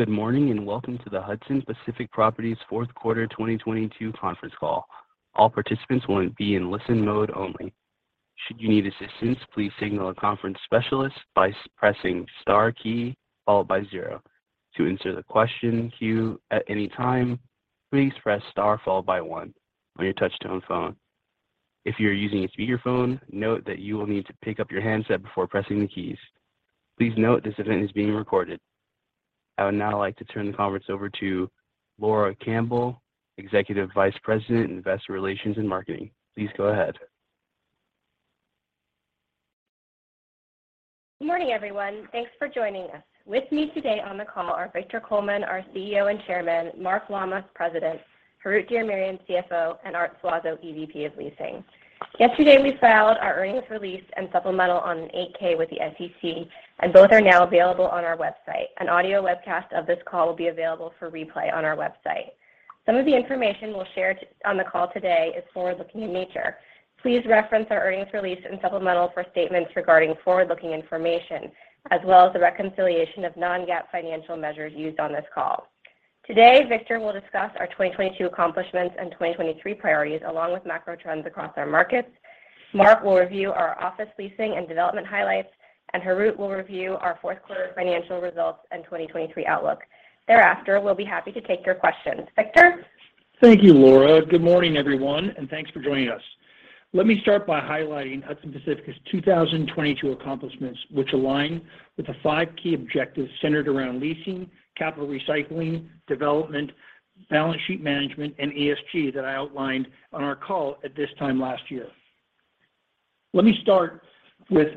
Good morning, and welcome to the Hudson Pacific Properties fourth quarter 2022 conference call. All participants will be in listen mode only. Should you need assistance, please signal a conference specialist by pressing star key followed by zero. To insert a question queue at any time, please press star followed by one on your touchtone phone. If you're using a speakerphone, note that you will need to pick up your handset before pressing the keys. Please note this event is being recorded. I would now like to turn the conference over to Laura Campbell, Executive Vice President in Investor Relations and Marketing. Please go ahead. Good morning, everyone. Thanks for joining us. With me today on the call are Victor Coleman, our CEO and Chairman, Mark Lammas, President, Harout Diramerian, CFO, and Art Suazo, EVP of Leasing. Yesterday, we filed our earnings release and supplemental on an 8-K with the SEC. Both are now available on our website. An audio webcast of this call will be available for replay on our website. Some of the information we'll share on the call today is forward-looking in nature. Please reference our earnings release and supplemental for statements regarding forward-looking information, as well as the reconciliation of non-GAAP financial measures used on this call. Today, Victor will discuss our 2022 accomplishments and 2023 priorities, along with macro trends across our markets. Mark will review our office leasing and development highlights, and Harout will review our fourth quarter financial results and 2023 outlook. Thereafter, we'll be happy to take your questions. Victor? Thank you, Laura. Good morning, everyone, thanks for joining us. Let me start by highlighting Hudson Pacific's 2022 accomplishments, which align with the five key objectives centered around leasing, capital recycling, development, balance sheet management, and ESG that I outlined on our call at this time last year. Let me start with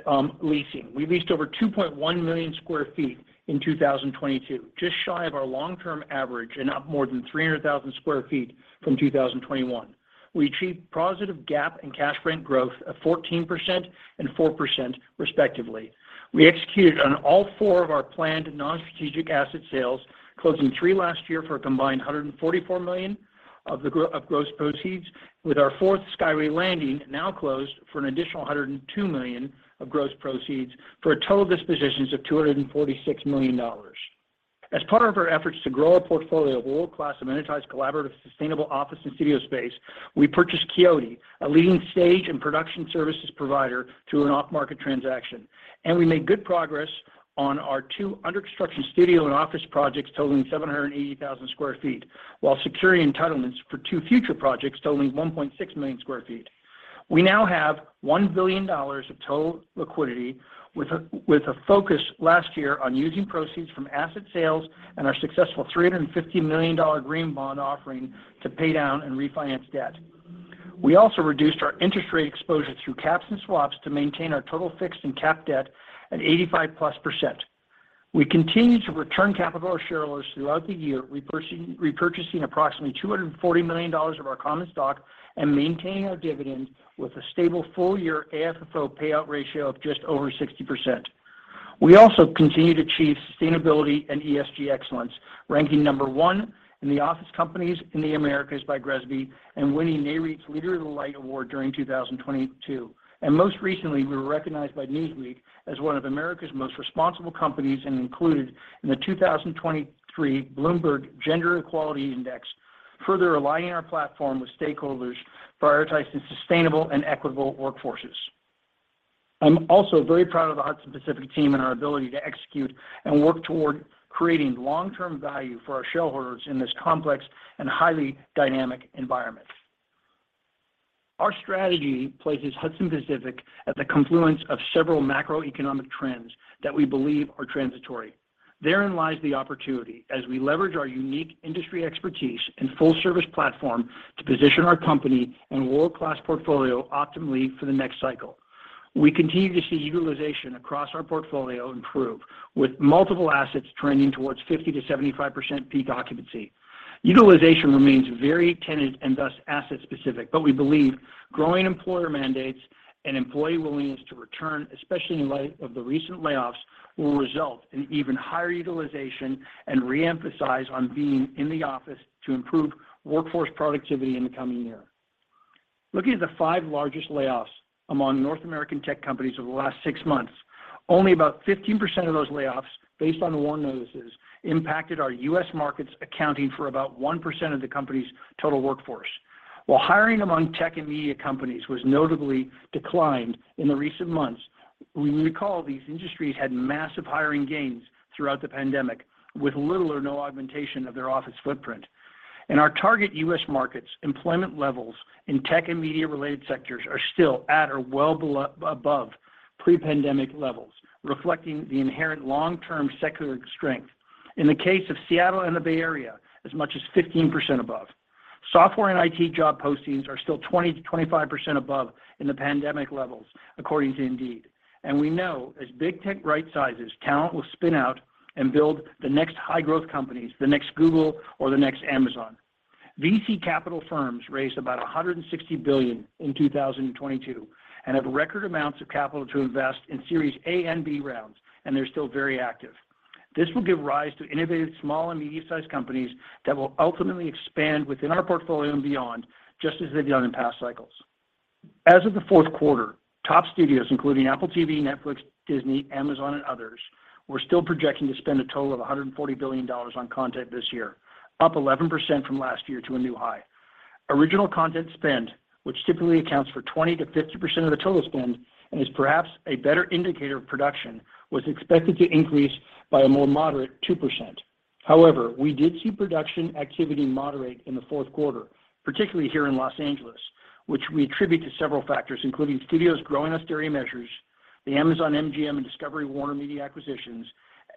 leasing. We leased over 2.1 million sq ft in 2022, just shy of our long-term average and up more than 300,000sq ft from 2021. We achieved positive GAAP and cash rent growth of 14% and 4% respectively. We executed on all four of our planned non-strategic asset sales, closing three last year for a combined $144 million of gross proceeds, with our fourth, Skyway Landing, now closed for an additional $102 million of gross proceeds for a total dispositions of $246 million. As part of our efforts to grow a portfolio of world-class amenitized, collaborative, sustainable office and studio space, we purchased Quixote, a leading stage and production services provider, through an off-market transaction. We made good progress on our two under construction studio and office projects totaling 780,000sq ft, while securing entitlements for two future projects totaling 1.6 million sq ft. We now have $1 billion of total liquidity with a focus last year on using proceeds from asset sales and our successful $350 million green bond offering to pay down and refinance debt. We also reduced our interest rate exposure through caps and swaps to maintain our total fixed and capped debt at 85%+. We continue to return capital to shareholders throughout the year, repurchasing approximately $240 million of our common stock and maintaining our dividend with a stable full year AFFO payout ratio of just over 60%. We also continue to achieve sustainability and ESG excellence, ranking number one in the office companies in the Americas by GRESB and winning Nareit's Leader in the Light award during 2022. Most recently, we were recognized by Newsweek as one of America's most responsible companies and included in the 2023 Bloomberg Gender-Equality Index, further aligning our platform with stakeholders prioritizing sustainable and equitable workforces. I'm also very proud of the Hudson Pacific team and our ability to execute and work toward creating long-term value for our shareholders in this complex and highly dynamic environment. Our strategy places Hudson Pacific at the confluence of several macroeconomic trends that we believe are transitory. Therein lies the opportunity as we leverage our unique industry expertise and full service platform to position our company and world-class portfolio optimally for the next cycle. We continue to see utilization across our portfolio improve with multiple assets trending towards 50%-75% peak occupancy. Utilization remains very tenant and thus asset specific, but we believe growing employer mandates and employee willingness to return, especially in light of the recent layoffs, will result in even higher utilization and reemphasize on being in the office to improve workforce productivity in the coming year. Looking at the five largest layoffs among North American tech companies over the last six months, only about 15% of those layoffs, based on WARN notices, impacted our U.S. markets, accounting for about 1% of the company's total workforce. While hiring among tech and media companies was notably declined in the recent months, we recall these industries had massive hiring gains throughout the pandemic with little or no augmentation of their office footprint. In our target U.S. markets, employment levels in tech and media related sectors are still at or well above pre-pandemic levels, reflecting the inherent long-term secular strength. In the case of Seattle and the Bay Area, as much as 15% above. Software and IT job postings are still 20%-25% above in the pandemic levels, according to Indeed. We know as big tech right sizes, talent will spin out and build the next high growth companies, the next Google or the next Amazon. VC capital firms raised about $160 billion in 2022, and have record amounts of capital to invest in series A and B rounds, and they're still very active. This will give rise to innovative small and medium-sized companies that will ultimately expand within our portfolio and beyond, just as they've done in past cycles. As of the fourth quarter, top studios including Apple TV, Netflix, Disney, Amazon and others were still projecting to spend a total of $140 billion on content this year, up 11% from last year to a new high. Original content spend, which typically accounts for 20%-50% of the total spend and is perhaps a better indicator of production, was expected to increase by a more moderate 2%. We did see production activity moderate in the fourth quarter, particularly here in Los Angeles, which we attribute to several factors, including studios growing austerian measures, the Amazon MGM and Discovery Warner Media acquisitions,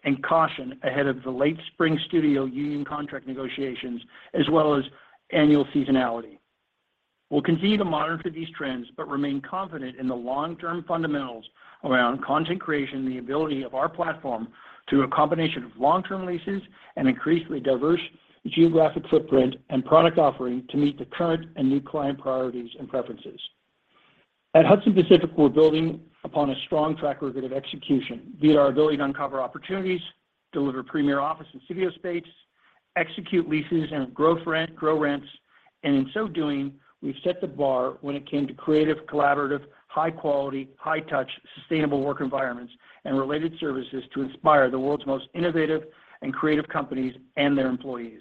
and caution ahead of the late spring studio union contract negotiations as well as annual seasonality. We'll continue to monitor these trends, but remain confident in the long-term fundamentals around content creation and the ability of our platform through a combination of long-term leases and increasingly diverse geographic footprint and product offering to meet the current and new client priorities and preferences. At Hudson Pacific, we're building upon a strong track record of execution via our ability to uncover opportunities, deliver premier office and studio space, execute leases and grow rents. In so doing, we've set the bar when it came to creative, collaborative, high quality, high touch, sustainable work environments and related services to inspire the world's most innovative and creative companies and their employees.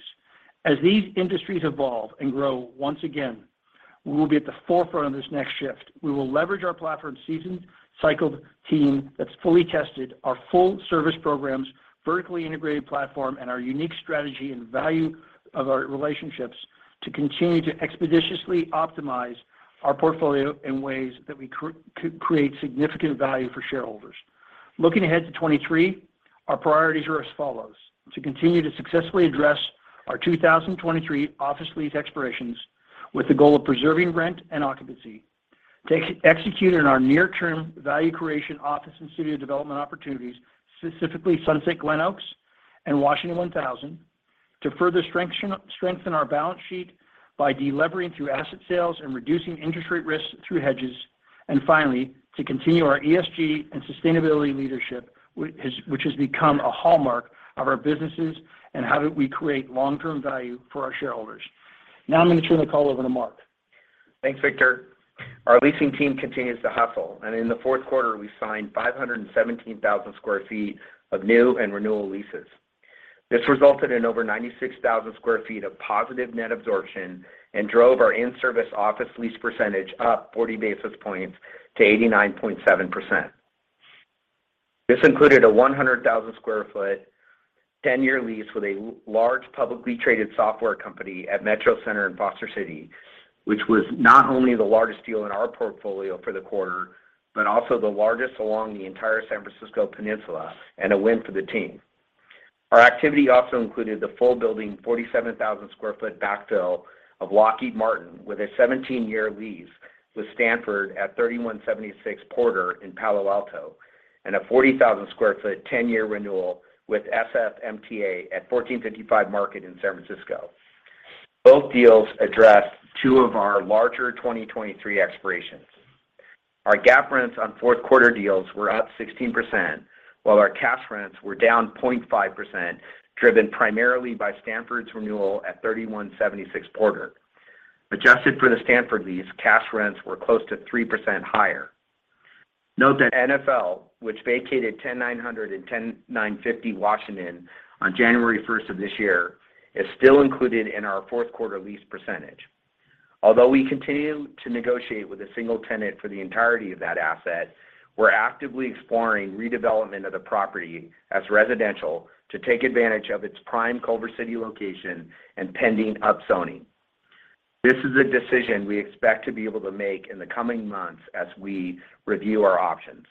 As these industries evolve and grow once again, we will be at the forefront of this next shift. We will leverage our platform seasoned, cycled team that's fully tested, our full service programs, vertically integrated platform, and our unique strategy and value of our relationships to continue to expeditiously optimize our portfolio in ways that we could create significant value for shareholders. Looking ahead to 2023, our priorities are as follows: to continue to successfully address our 2023 office lease expirations with the goal of preserving rent and occupancy. To execute on our near term value creation office and studio development opportunities, specifically Sunset Glenoaks and Washington 1,000. To further strengthen our balance sheet by delevering through asset sales and reducing interest rate risks through hedges. Finally, to continue our ESG and sustainability leadership, which has become a hallmark of our businesses and how do we create long-term value for our shareholders. I'm going to turn the call over to Mark Thanks, Victor. In the fourth quarter we signed 517,000sq ft of new and renewal leases. This resulted in over 96,000sq ft of positive net absorption and drove our in-service office lease percentage up 40 basis points to 89.7%. This included a 100,000sq ft 10-year lease with a large publicly traded software company at Metro Center in Foster City, which was not only the largest deal in our portfolio for the quarter, but also the largest along the entire San Francisco peninsula and a win for the team. Our activity also included the full building 47,000sq ft backfill of Lockheed Martin with a 17-year lease with Stanford at 3176 Porter in Palo Alto, and a 40,000sq ft 10-year renewal with SFMTA at 1455 Market in San Francisco. Both deals addressed two of our larger 2023 expirations. Our GAAP rents on fourth quarter deals were up 16%, while our cash rents were down 0.5%, driven primarily by Stanford's renewal at 3176 Porter. Adjusted for the Stanford lease, cash rents were close to 3% higher. Note that NFL, which vacated 10900 and 10950 Washington on January 1st of this year, is still included in our fourth quarter lease percentage. Although we continue to negotiate with a single tenant for the entirety of that asset, we're actively exploring redevelopment of the property as residential to take advantage of its prime Culver City location and pending up zoning. This is a decision we expect to be able to make in the coming months as we review our options.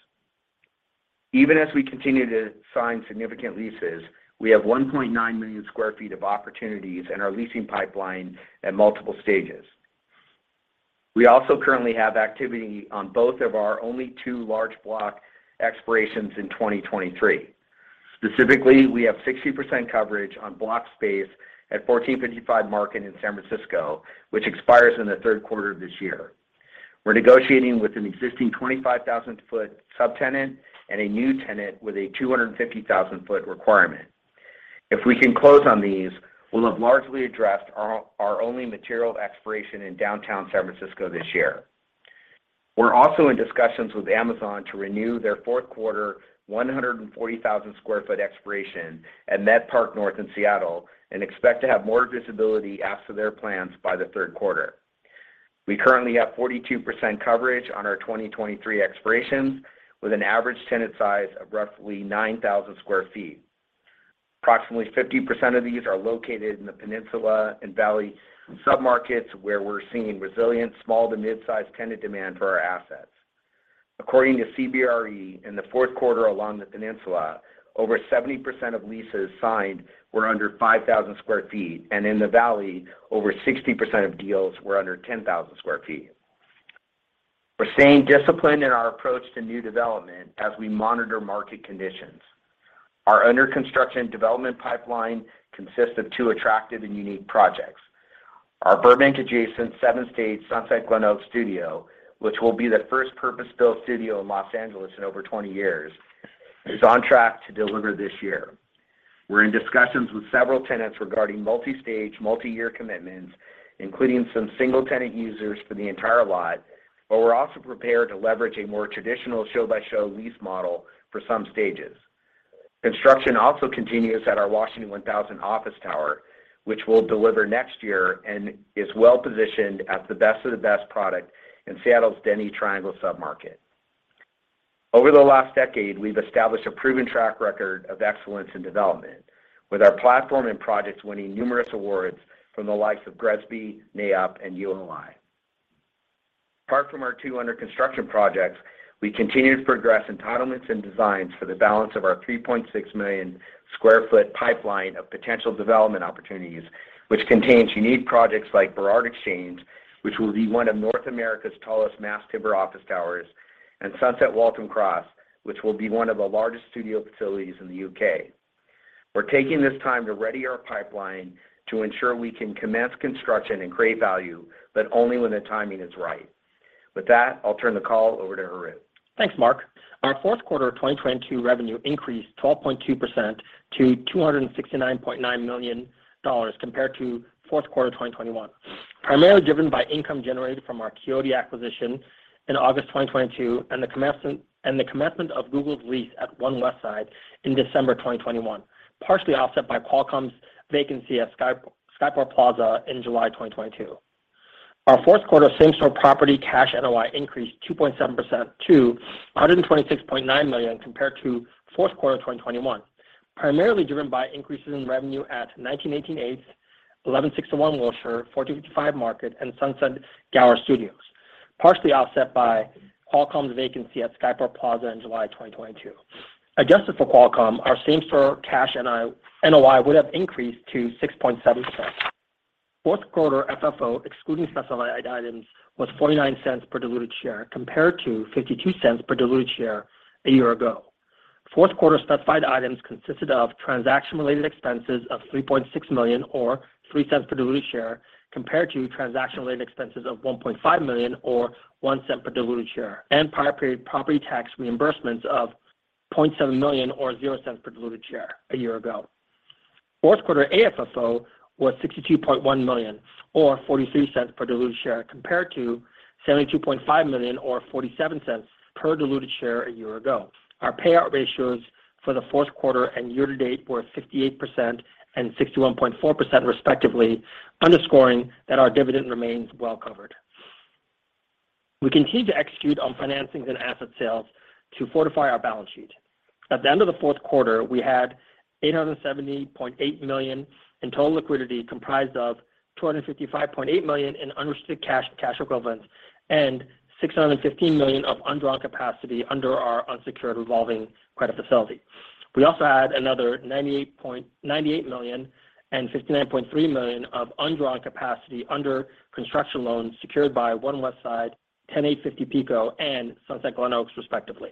Even as we continue to sign significant leases, we have 1.9 million sq ft of opportunities in our leasing pipeline at multiple stages. We also currently have activity on both of our only two large block expirations in 2023. Specifically, we have 60% coverage on block space at 1455 Market in San Francisco, which expires in the third quarter of this year. We're negotiating with an existing 25,000sq ft subtenant and a new tenant with a 250,000sq ft requirement. If we can close on these, we'll have largely addressed our only material expiration in downtown San Francisco this year. We're also in discussions with Amazon to renew their fourth quarter 140,000sq ft expiration at Met Park North in Seattle and expect to have more visibility as to their plans by the third quarter. We currently have 42% coverage on our 2023 expirations with an average tenant size of roughly 9,000sq ft. Approximately 50% of these are located in the peninsula and valley submarkets where we're seeing resilient small to mid-size tenant demand for our assets. According to CBRE, in the fourth quarter along the peninsula, over 70% of leases signed were under 5,000sq ft, and in the valley, over 60% of deals were under 10,000sq ft. We're staying disciplined in our approach to new development as we monitor market conditions. Our under construction development pipeline consists of two attractive and unique projects. Our Burbank adjacent seven-stage Sunset Glenoaks Studio, which will be the first purpose-built studio in Los Angeles in over 20 years, is on track to deliver this year. We're in discussions with several tenants regarding multi-stage, multi-year commitments, including some single tenant users for the entire lot, but we're also prepared to leverage a more traditional show by show lease model for some stages. Construction also continues at our Washington 1,000 office tower, which we'll deliver next year and is well positioned as the best of the best product in Seattle's Denny Triangle submarket. Over the last decade, we've established a proven track record of excellence in development with our platform and projects winning numerous awards from the likes of GRESB, NAIOP, and ULI. Apart from our two under construction projects, we continue to progress entitlements and designs for the balance of our 3.6 million sq ft pipeline of potential development opportunities, which contains unique projects like Burrard Exchange, which will be one of North America's tallest mass timber office towers, and Sunset Waltham Cross, which will be one of the largest studio facilities in the U.K. We're taking this time to ready our pipeline to ensure we can commence construction and create value, but only when the timing is right. With that, I'll turn the call over to Harout. Thanks, Mark. Our fourth quarter of 2022 revenue increased 12.2% to $269.9 million compared to fourth quarter of 2021. Primarily driven by income generated from our Quixote acquisition in August 2022 and the commencement of Google's lease at One Westside in December 2021. Partially offset by Qualcomm's vacancy at Skyport Plaza in July 2022. Our fourth quarter same store property cash NOI increased 2.7% to $126.9 million compared to fourth quarter of 2021. Primarily driven by increases in revenue at 1918 8th Avenue, 1161 Wilshire, 4085 Market, and Sunset Gower Studios. Partially offset by Qualcomm's vacancy at Skyport Plaza in July 2022. Adjusted for Qualcomm, our same store cash NOI would have increased to 6.7%. Fourth quarter FFO, excluding specified items, was $0.49 per diluted share compared to $0.52 per diluted share a year ago. Fourth quarter specified items consisted of transaction-related expenses of $3.6 million or $0.03 per diluted share compared to transaction-related expenses of $1.5 million or $0.01 per diluted share and prior period property tax reimbursements of $0.7 million or $0.00 per diluted share a year ago. Fourth quarter AFFO was $62.1 million or $0.43 per diluted share compared to $72.5 million or $0.47 per diluted share a year ago. Our payout ratios for the fourth quarter and year-to-date were 58% and 61.4% respectively, underscoring that our dividend remains well covered. We continue to execute on financings and asset sales to fortify our balance sheet. At the end of the fourth quarter, we had $870.8 million in total liquidity, comprised of $255.8 million in unrestricted cash and cash equivalents and $615 million of undrawn capacity under our unsecured revolving credit facility. We also add another $98 million and $59.3 million of undrawn capacity under construction loans secured by One Westside, 10850 Pico, and Sunset Glenoaks respectively.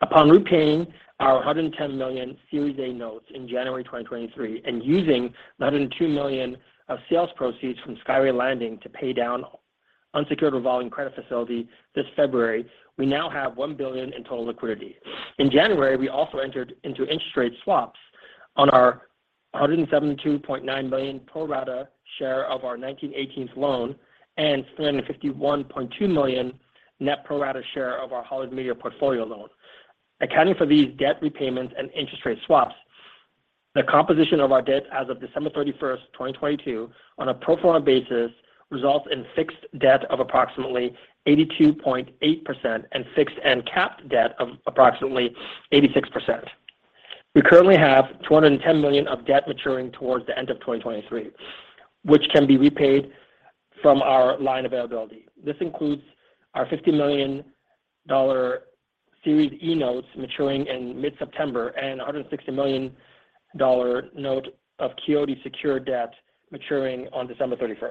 Upon repaying our $110 million Series A notes in January 2023 and using the $102 million of sales proceeds from Skyway Landing to pay down unsecured revolving credit facility this February, we now have $1 billion in total liquidity. In January, we also entered into interest rate swaps on our $172.9 million pro rata share of our Nineteen Eighteens loan and $351.2 million net pro rata share of our Hollywood Media portfolio loan. Accounting for these debt repayments and interest rate swaps, the composition of our debt as of December 31, 2022, on a pro forma basis, results in fixed debt of approximately 82.8% and fixed and capped debt of approximately 86%. We currently have $210 million of debt maturing towards the end of 2023, which can be repaid from our line availability. This includes our $50 million Series E notes maturing in mid-September and a $160 million note of Quixote secured debt maturing on December 31.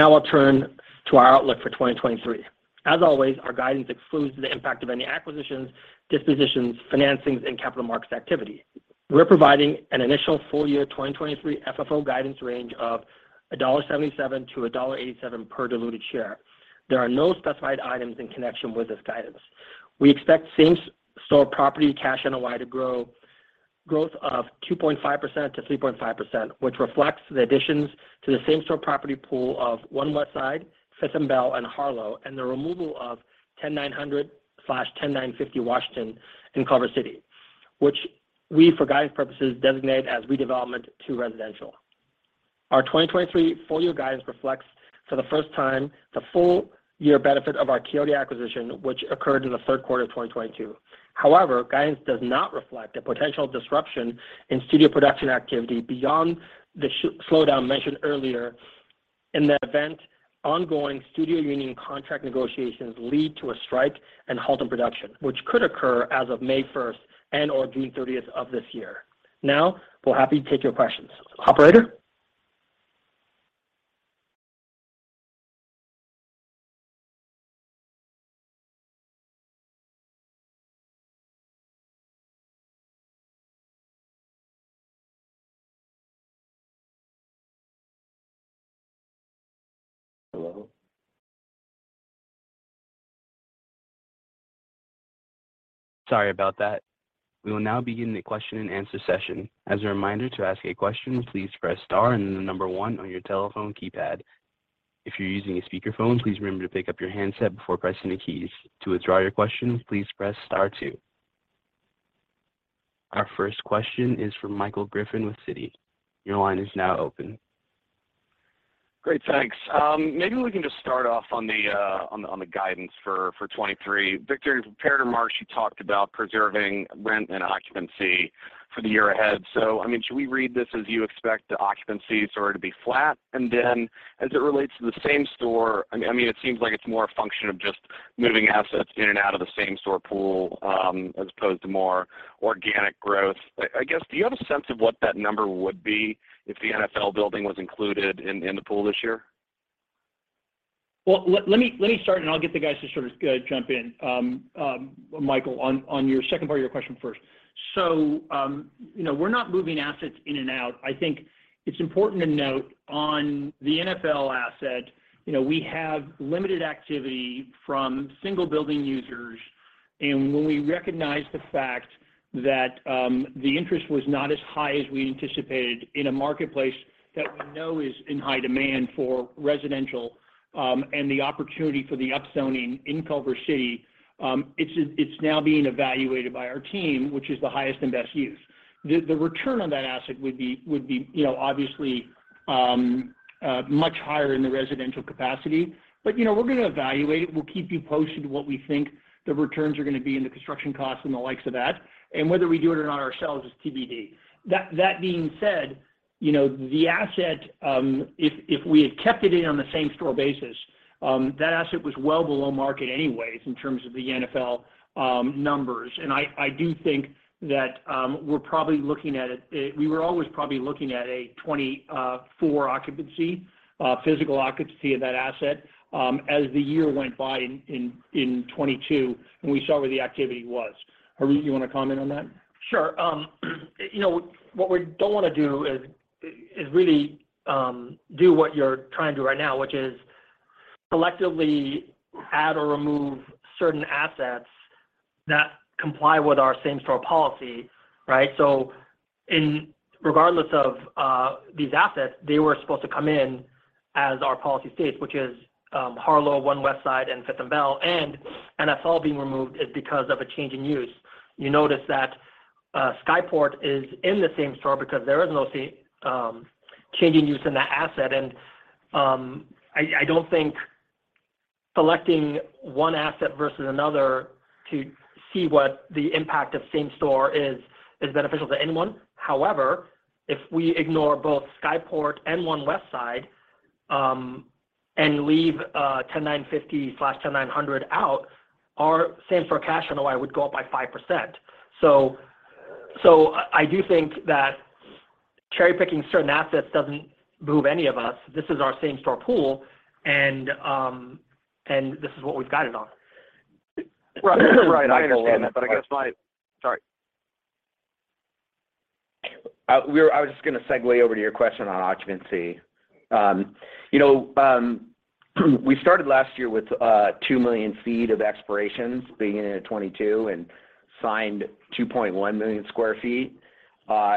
I'll turn to our outlook for 2023. As always, our guidance excludes the impact of any acquisitions, dispositions, financings, and capital markets activity. We're providing an initial full year 2023 FFO guidance range of $1.77 to $1.87 per diluted share. There are no specified items in connection with this guidance. We expect same store property cash NOI to grow, growth of 2.5%-3.5%, which reflects the additions to the same store property pool of One Westside, 5th & Bell, and Harlow, and the removal of 10900/10950 Washington in Culver City, which we, for guidance purposes, designate as redevelopment to residential. Our 2023 full year guidance reflects for the first time the full year benefit of our Quixote acquisition, which occurred in the third quarter of 2022. Guidance does not reflect a potential disruption in studio production activity beyond the slowdown mentioned earlier in the event ongoing studio union contract negotiations lead to a strike and halt in production, which could occur as of May 1st and/or June 30th of this year. We're happy to take your questions. Operator? Hello? Sorry about that. We will now begin the question and answer session. As a reminder, to ask a question, please press star and then the one on your telephone keypad. If you're using a speakerphone, please remember to pick up your handset before pressing the keys. To withdraw your question, please press star two. Our first question is from Michael Griffin with Citi. Your line is now open. Great, thanks. Maybe we can just start off on the guidance for 2023. Victor, in your prepared remarks, you talked about preserving rent and occupancy for the year ahead. I mean, should we read this as you expect the occupancy sort of to be flat? As it relates to the same store, I mean, it seems like it's more a function of just moving assets in and out of the same-store pool, as opposed to more organic growth. I guess, do you have a sense of what that number would be if the NFL building was included in the pool this year? Let me start, and I'll get the guys to sort of jump in, Michael, on your second part of your question first. You know, we're not moving assets in and out. I think it's important to note on the NFL asset, you know, we have limited activity from single building users. When we recognize the fact that the interest was not as high as we anticipated in a marketplace that we know is in high demand for residential, and the opportunity for the upzoning in Culver City, it's now being evaluated by our team, which is the highest and best use. The return on that asset would be, you know, obviously, much higher in the residential capacity. You know, we're gonna evaluate. We'll keep you posted what we think the returns are gonna be in the construction costs and the likes of that, whether we do it or not ourselves is TBD. That being said, you know, the asset, if we had kept it in on the same-store basis, that asset was well below market anyways in terms of the NFL numbers. I do think that we were always probably looking at a 24 occupancy, physical occupancy of that asset, as the year went by in 2022, and we saw where the activity was. Harout, you want to comment on that? Sure. You know, what we don't wanna do is really do what you're trying to do right now, which is selectively add or remove certain assets that comply with our same-store policy, right? Regardless of these assets, they were supposed to come in as our policy states, which is Harlow, One Westside, and 5th & Bell. NFL being removed is because of a change in use. You notice that Skyport is in the same-store because there is no changing use in the asset. I don't think selecting one asset versus another to see what the impact of same-store is beneficial to anyone. However, if we ignore both Skyport and One Westside, and leave 10950/10900 out, our same-store cash NOI would go up by 5%. I do think that cherry-picking certain assets doesn't move any of us. This is our same-store pool, and this is what we've guided on. Right. I understand that. I guess my... Sorry. I was just gonna segue over to your question on occupancy. You know, we started last year with two million feet of expirations beginning in 2022 and signed 2.1 million sq ft,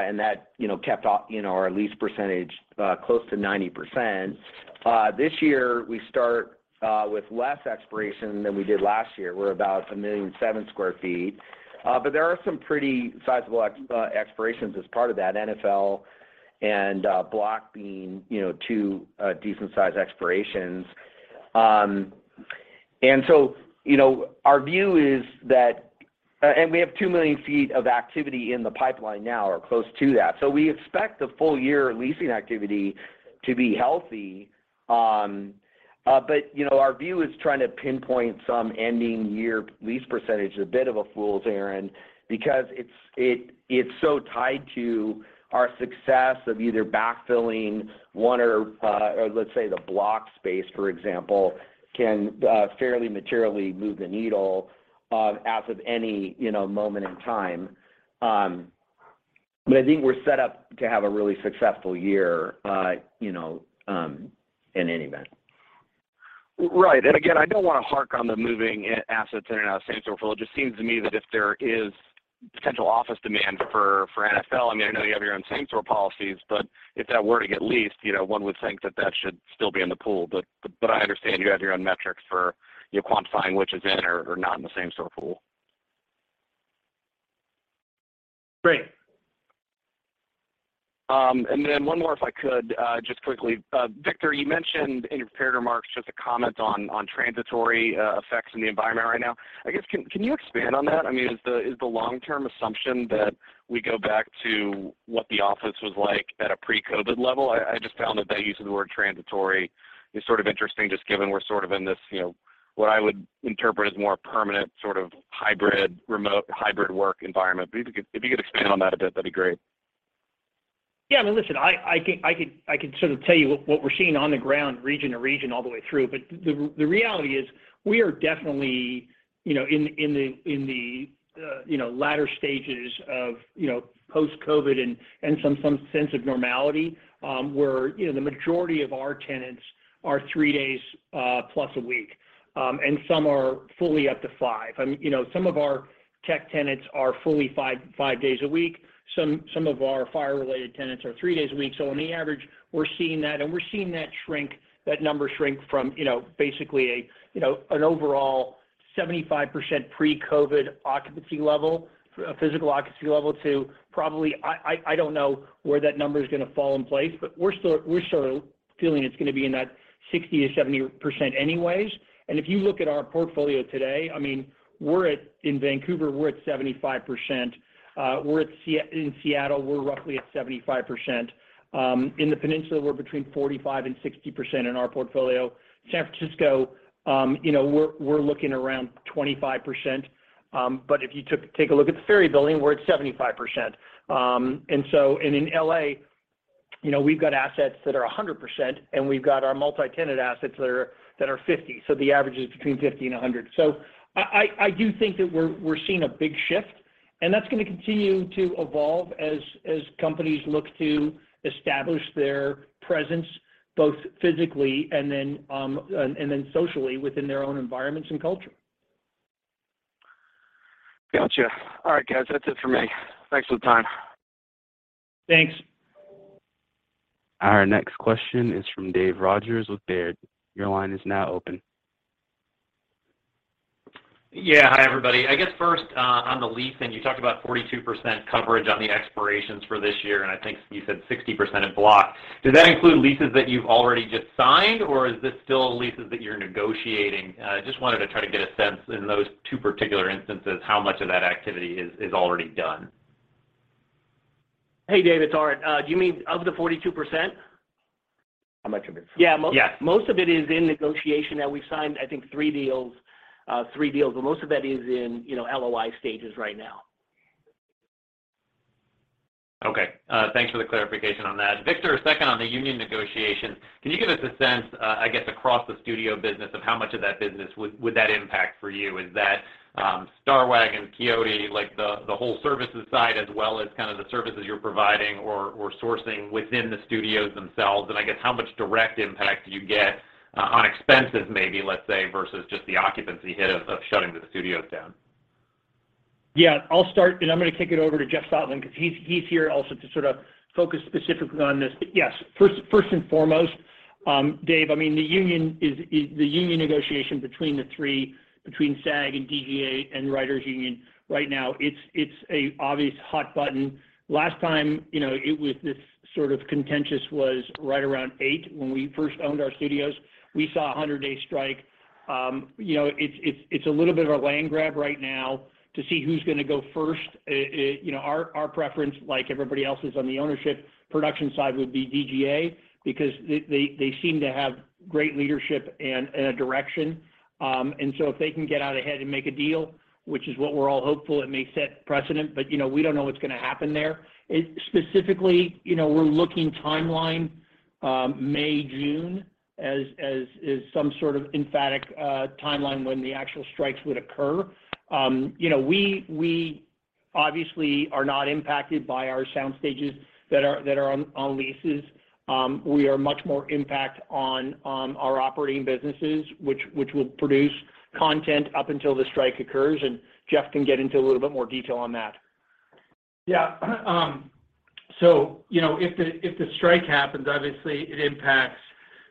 and that, you know, kept you know, our lease percentage close to 90%. This year we start with less expiration than we did last year. We're about 1.7 million sq ft. There are some pretty sizable expirations as part of that NFL and Block being, you know, two decent sized expirations. You know, our view is that. We have two million feet of activity in the pipeline now or close to that. We expect the full year leasing activity to be healthy. you know, our view is trying to pinpoint some ending year lease percentage is a bit of a fool's errand because it's so tied to our success of either backfilling one or let's say the Block space, for example, can fairly materially move the needle as of any, you know, moment in time. I think we're set up to have a really successful year, you know, in any event. Right. Again, I don't want to hark on the moving assets in and out of same-store pool. It just seems to me that if there is potential office demand for NFL, I mean, I know you have your own same-store policies, but if that were to get leased, you know, one would think that that should still be in the pool. I understand you have your own metrics for, you know, quantifying which is in or not in the same-store pool. Great. One more, if I could, just quickly. Victor, you mentioned in your prepared remarks just a comment on transitory effects in the environment right now. I guess, can you expand on that? I mean, is the long-term assumption that we go back to what the office was like at a pre-COVID level? I just found that use of the word transitory is sort of interesting just given we're sort of in this, you know, what I would interpret as more permanent sort of hybrid remote, hybrid work environment. If you could expand on that a bit, that'd be great. Yeah, I mean, listen, I can sort of tell you what we're seeing on the ground region to region all the way through. The reality is we are definitely, you know, in the latter stages of, you know, post-COVID and some sense of normality, where, you know, the majority of our tenants are three days plus a week, and some are fully up to five. You know, some of our tech tenants are fully five days a week. Some of our fire-related tenants are three days a week. On the average, we're seeing that, and we're seeing that shrink, that number shrink from, you know, basically a, you know, an overall 75% pre-COVID occupancy level, a physical occupancy level to probably, I don't know where that number is gonna fall in place, but we're still, we're sort of feeling it's gonna be in that 60%-70% anyways. If you look at our portfolio today, I mean, we're in Vancouver, we're at 75%. We're in Seattle, we're roughly at 75%. In the Peninsula, we're between 45% and 60% in our portfolio. San Francisco, you know, we're looking around 25%. But if you take a look at the Ferry Building, we're at 75%. In L.A., you know, we've got assets that are 100%, and we've got our multi-tenant assets that are 50%. The average is between 50% and 100%. I do think that we're seeing a big shift, and that's gonna continue to evolve as companies look to establish their presence both physically and then socially within their own environments and culture. Gotcha. All right, guys. That's it for me. Thanks for the time. Thanks. Our next question is from Dave Rodgers with Baird. Your line is now open. Yeah. Hi, everybody. I guess first, on the lease, you talked about 42% coverage on the expirations for this year, I think you said 60% in Block. Does that include leases that you've already just signed, or is this still leases that you're negotiating? Just wanted to try to get a sense in those two particular instances, how much of that activity is already done. Hey, Dave, it's Art. Do you mean of the 42%? How much of it's- Yeah. Yes. Most of it is in negotiation. Now we've signed, I think 3 deals, but most of that is in, you know, LOI stages right now. Okay. Thanks for the clarification on that. Victor, second on the union negotiations. Can you give us a sense, I guess, across the studio business of how much of that business would that impact for you? Is that Star Waggons, Quixote, like the whole services side, as well as kind of the services you're providing or sourcing within the studios themselves? And I guess how much direct impact do you get on expenses maybe, let's say, versus just the occupancy hit of shutting the studios down? Yeah. I'll start, I'm gonna kick it over to Jeff Stotland 'cause he's here also to sort of focus specifically on this. Yes, first and foremost, Dave, I mean, the union is the union negotiation between the three, between SAG and DGA and Writers Union right now, it's a obvious hot button. Last time, you know, it was this sort of contentious was right around 2008 when we first owned our studios. We saw a 100-day strike. You know, it's a little bit of a land grab right now to see who's gonna go first. You know, our preference, like everybody else's on the ownership production side, would be DGA because they seem to have great leadership and a direction. If they can get out ahead and make a deal, which is what we're all hopeful it may set precedent, but, you know, we don't know what's gonna happen there. It specifically, you know, we're looking timeline, May, June as some sort of emphatic timeline when the actual strikes would occur. You know, we obviously are not impacted by our sound stages that are on leases. We are much more impact on our operating businesses, which will produce content up until the strike occurs, and Jeff can get into a little bit more detail on that. Yeah. You know, if the, if the strike happens, obviously it impacts,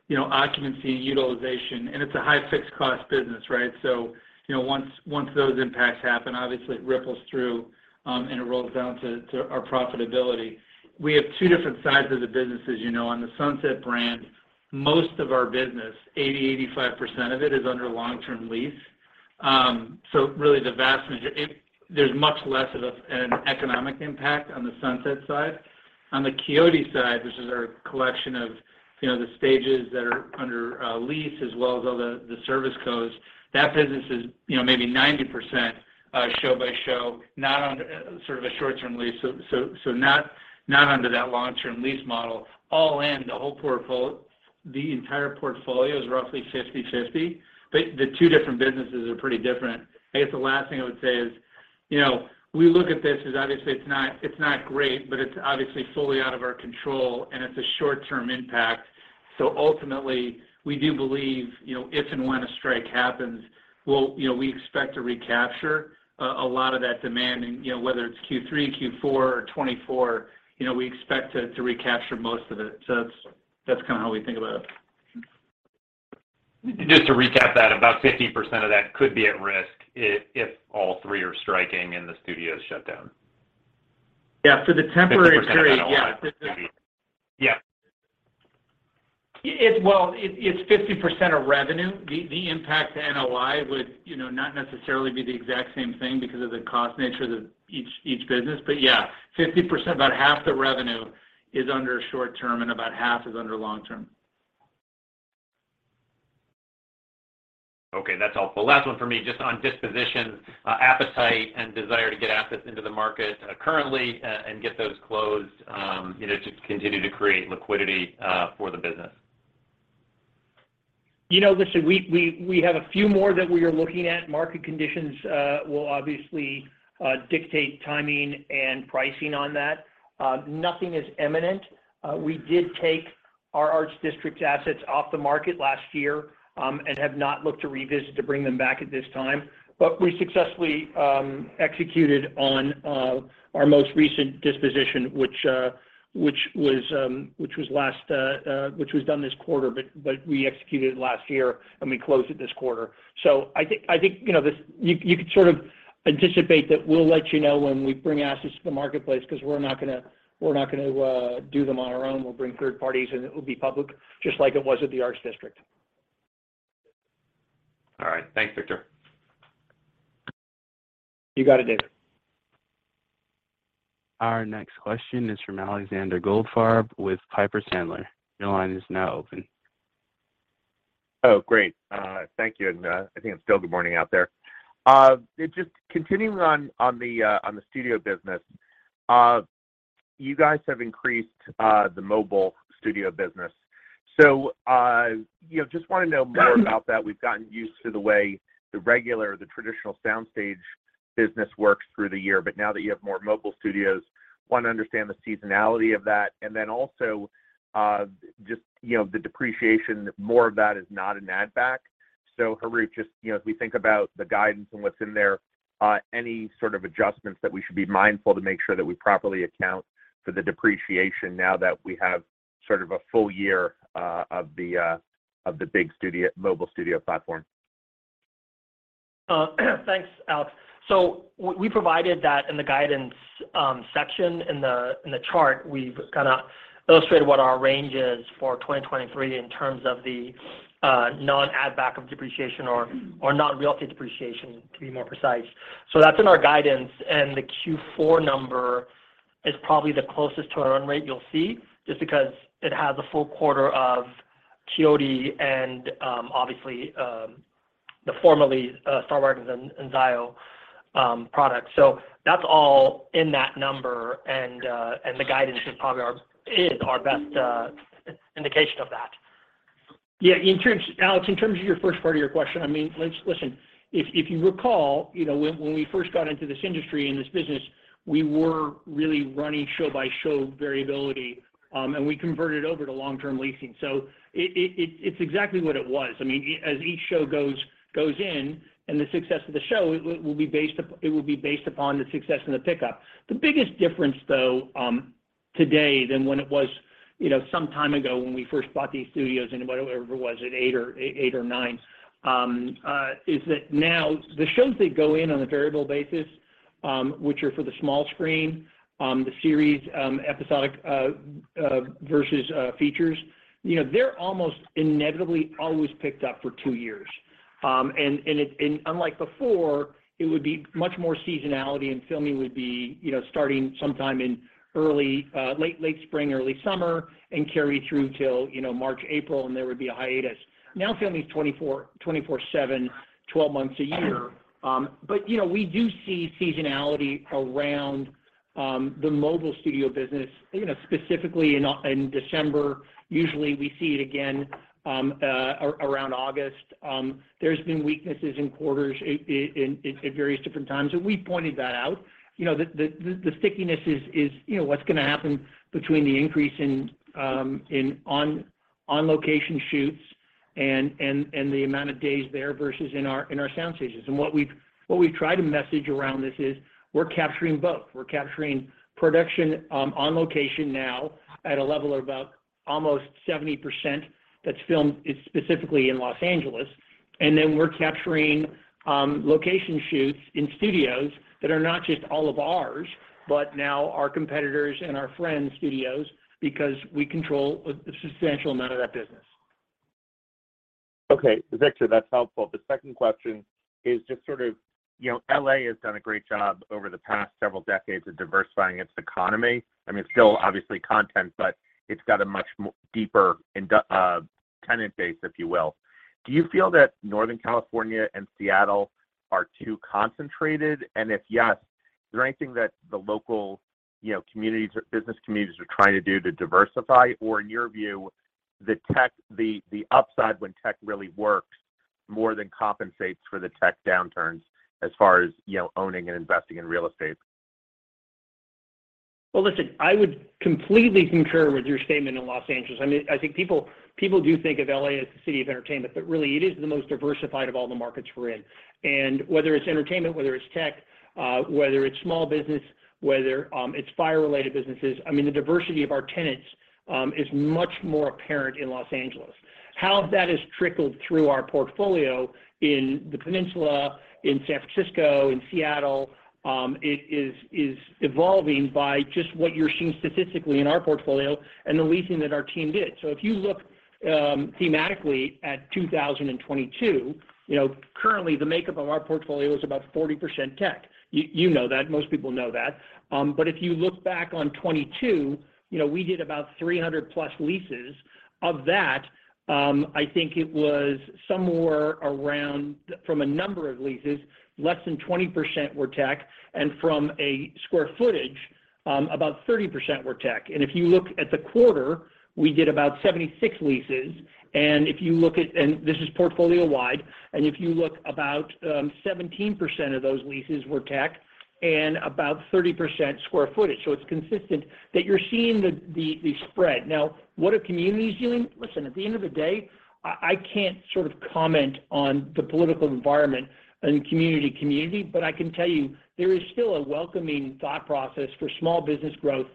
you know, occupancy and utilization, and it's a high fixed cost business, right? You know, once those impacts happen, obviously it ripples through, and it rolls down to our profitability. We have two different sides of the business, as you know. On the Sunset brand, most of our business, 80%-85% of it is under long-term lease. Really the vast majority. There's much less of an economic impact on the Sunset side. On the Quixote side, which is our collection of, you know, the stages that are under lease as well as all the service co's, that business is, you know, maybe 90% show by show, not under sort of a short-term lease. Not, not under that long-term lease model. All in, the entire portfolio is roughly 50/50. The two different businesses are pretty different. I guess the last thing I would say is, you know, we look at this as obviously it's not, it's not great, but it's obviously fully out of our control, and it's a short-term impact. Ultimately, we do believe, you know, if and when a strike happens, we'll, you know, we expect to recapture a lot of that demand. You know, whether it's Q3, Q4, or 2024, you know, we expect to recapture most of it. That's, that's kinda how we think about it. Just to recap that, about 50% of that could be at risk if all three are striking and the studios shut down. Yeah. For the temporary period- 50% of NOI. Yeah. Maybe. Yeah. Well, it's 50% of revenue. The impact to NOI would, you know, not necessarily be the exact same thing because of the cost nature of each business. Yeah, 50%, about half the revenue is under short term and about half is under long term. Okay, that's helpful. Last one for me, just on disposition, appetite, and desire to get assets into the market, currently and get those closed, you know, to continue to create liquidity for the business. You know, listen, we have a few more that we are looking at. Market conditions will obviously dictate timing and pricing on that. Nothing is eminent. We did take our Arts District assets off the market last year and have not looked to revisit to bring them back at this time. We successfully executed on our most recent disposition, which was done this quarter, but we executed it last year and we closed it this quarter. I think, you know, you could sort of anticipate that we'll let you know when we bring assets to the marketplace 'cause we're not gonna do them on our own. We'll bring third parties, and it will be public, just like it was at the Arts District. All right. Thanks, Victor. You got it, Dave. Our next question is from Alexander Goldfarb with Piper Sandler. Your line is now open. Oh, great. Thank you, and, I think it's still good morning out there. Just continuing on the, on the studio business, you guys have increased the mobile studio business. You know, just wanna know more about that. We've gotten used to the way the regular or the traditional soundstage business works through the year, but now that you have more mobile studios, wanna understand the seasonality of that. Also, just, you know, the depreciation, more of that is not an add back. Harout, just, you know, as we think about the guidance and what's in there, any sort of adjustments that we should be mindful to make sure that we properly account for the depreciation now that we have sort of a full year, of the, of the mobile studio platform? Thanks, Alex. We provided that in the guidance section. In the chart, we've kinda illustrated what our range is for 2023 in terms of the non-add back of depreciation or not realty depreciation, to be more precise. That's in our guidance, and the Q4 number is probably the closest to our run rate you'll see, just because it has a full quarter of COD and, obviously, the formerly Star Waggons and Zio products. That's all in that number and the guidance is probably our best indication of that. Yeah. Alex, in terms of your first part of your question, I mean, listen, if you recall, you know, when we first got into this industry and this business, we were really running show-by-show variability, and we converted over to long-term leasing. It's exactly what it was. I mean, as each show goes in and the success of the show, it will be based upon the success and the pickup. The biggest difference, though, today than when it was, you know, some time ago when we first bought these studios, and whatever it was in eight or nine, is that now the shows that go in on a variable basis, which are for the small screen, the series, episodic, versus features, you know, they're almost inevitably always picked up for two years. Unlike before, it would be much more seasonality and filming would be, you know, starting sometime in early, late spring, early summer, and carry through till, you know, March, April, and there would be a hiatus. Now, filming is 24/7, 12 months a year. But, you know, we do see seasonality around the mobile studio business, you know, specifically in December. Usually, we see it again, around August. There's been weaknesses in quarters at various different times, and we pointed that out. You know, the stickiness is, you know, what's gonna happen between the increase in on-location shoots and the amount of days there versus in our soundstages. What we've tried to message around this is we're capturing both. We're capturing production, on location now at a level of about almost 70% that's filmed, it's specifically in Los Angeles. We're capturing, location shoots in studios that are not just all of ours, but now our competitors and our friends' studios because we control a substantial amount of that business. Okay. Victor, that's helpful. The second question is just sort of, you know, LA has done a great job over the past several decades of diversifying its economy. I mean, it's still obviously content, but it's got a much deeper tenant base, if you will. Do you feel that Northern California and Seattle are too concentrated? If yes, is there anything that the local, you know, communities or business communities are trying to do to diversify? In your view, the upside when tech really works more than compensates for the tech downturns as far as, you know, owning and investing in real estate? Listen, I would completely concur with your statement in Los Angeles. I mean, I think people do think of L.A. as the city of entertainment, but really it is the most diversified of all the markets we're in. Whether it's entertainment, whether it's tech, whether it's small business, whether it's fire-related businesses, I mean, the diversity of our tenants is much more apparent in Los Angeles. How that has trickled through our portfolio in the Peninsula, in San Francisco, in Seattle, it is evolving by just what you're seeing statistically in our portfolio and the leasing that our team did. If you look thematically at 2022, you know, currently the makeup of our portfolio is about 40% tech. You know that, most people know that. If you look back on 2022, you know, we did about 300+ leases. Of that, I think it was somewhere around, from a number of leases, less than 20% were tech, and from a square footage, about 30% were tech. If you look at the quarter, we did about 76 leases, and if you look at this is portfolio-wide, and if you look about, 17% of those leases were tech and about 30% square footage. It's consistent that you're seeing the, the spread. What are communities doing? Listen, at the end of the day, I can't sort of comment on the political environment in community, but I can tell you there is still a welcoming thought process for small business growth,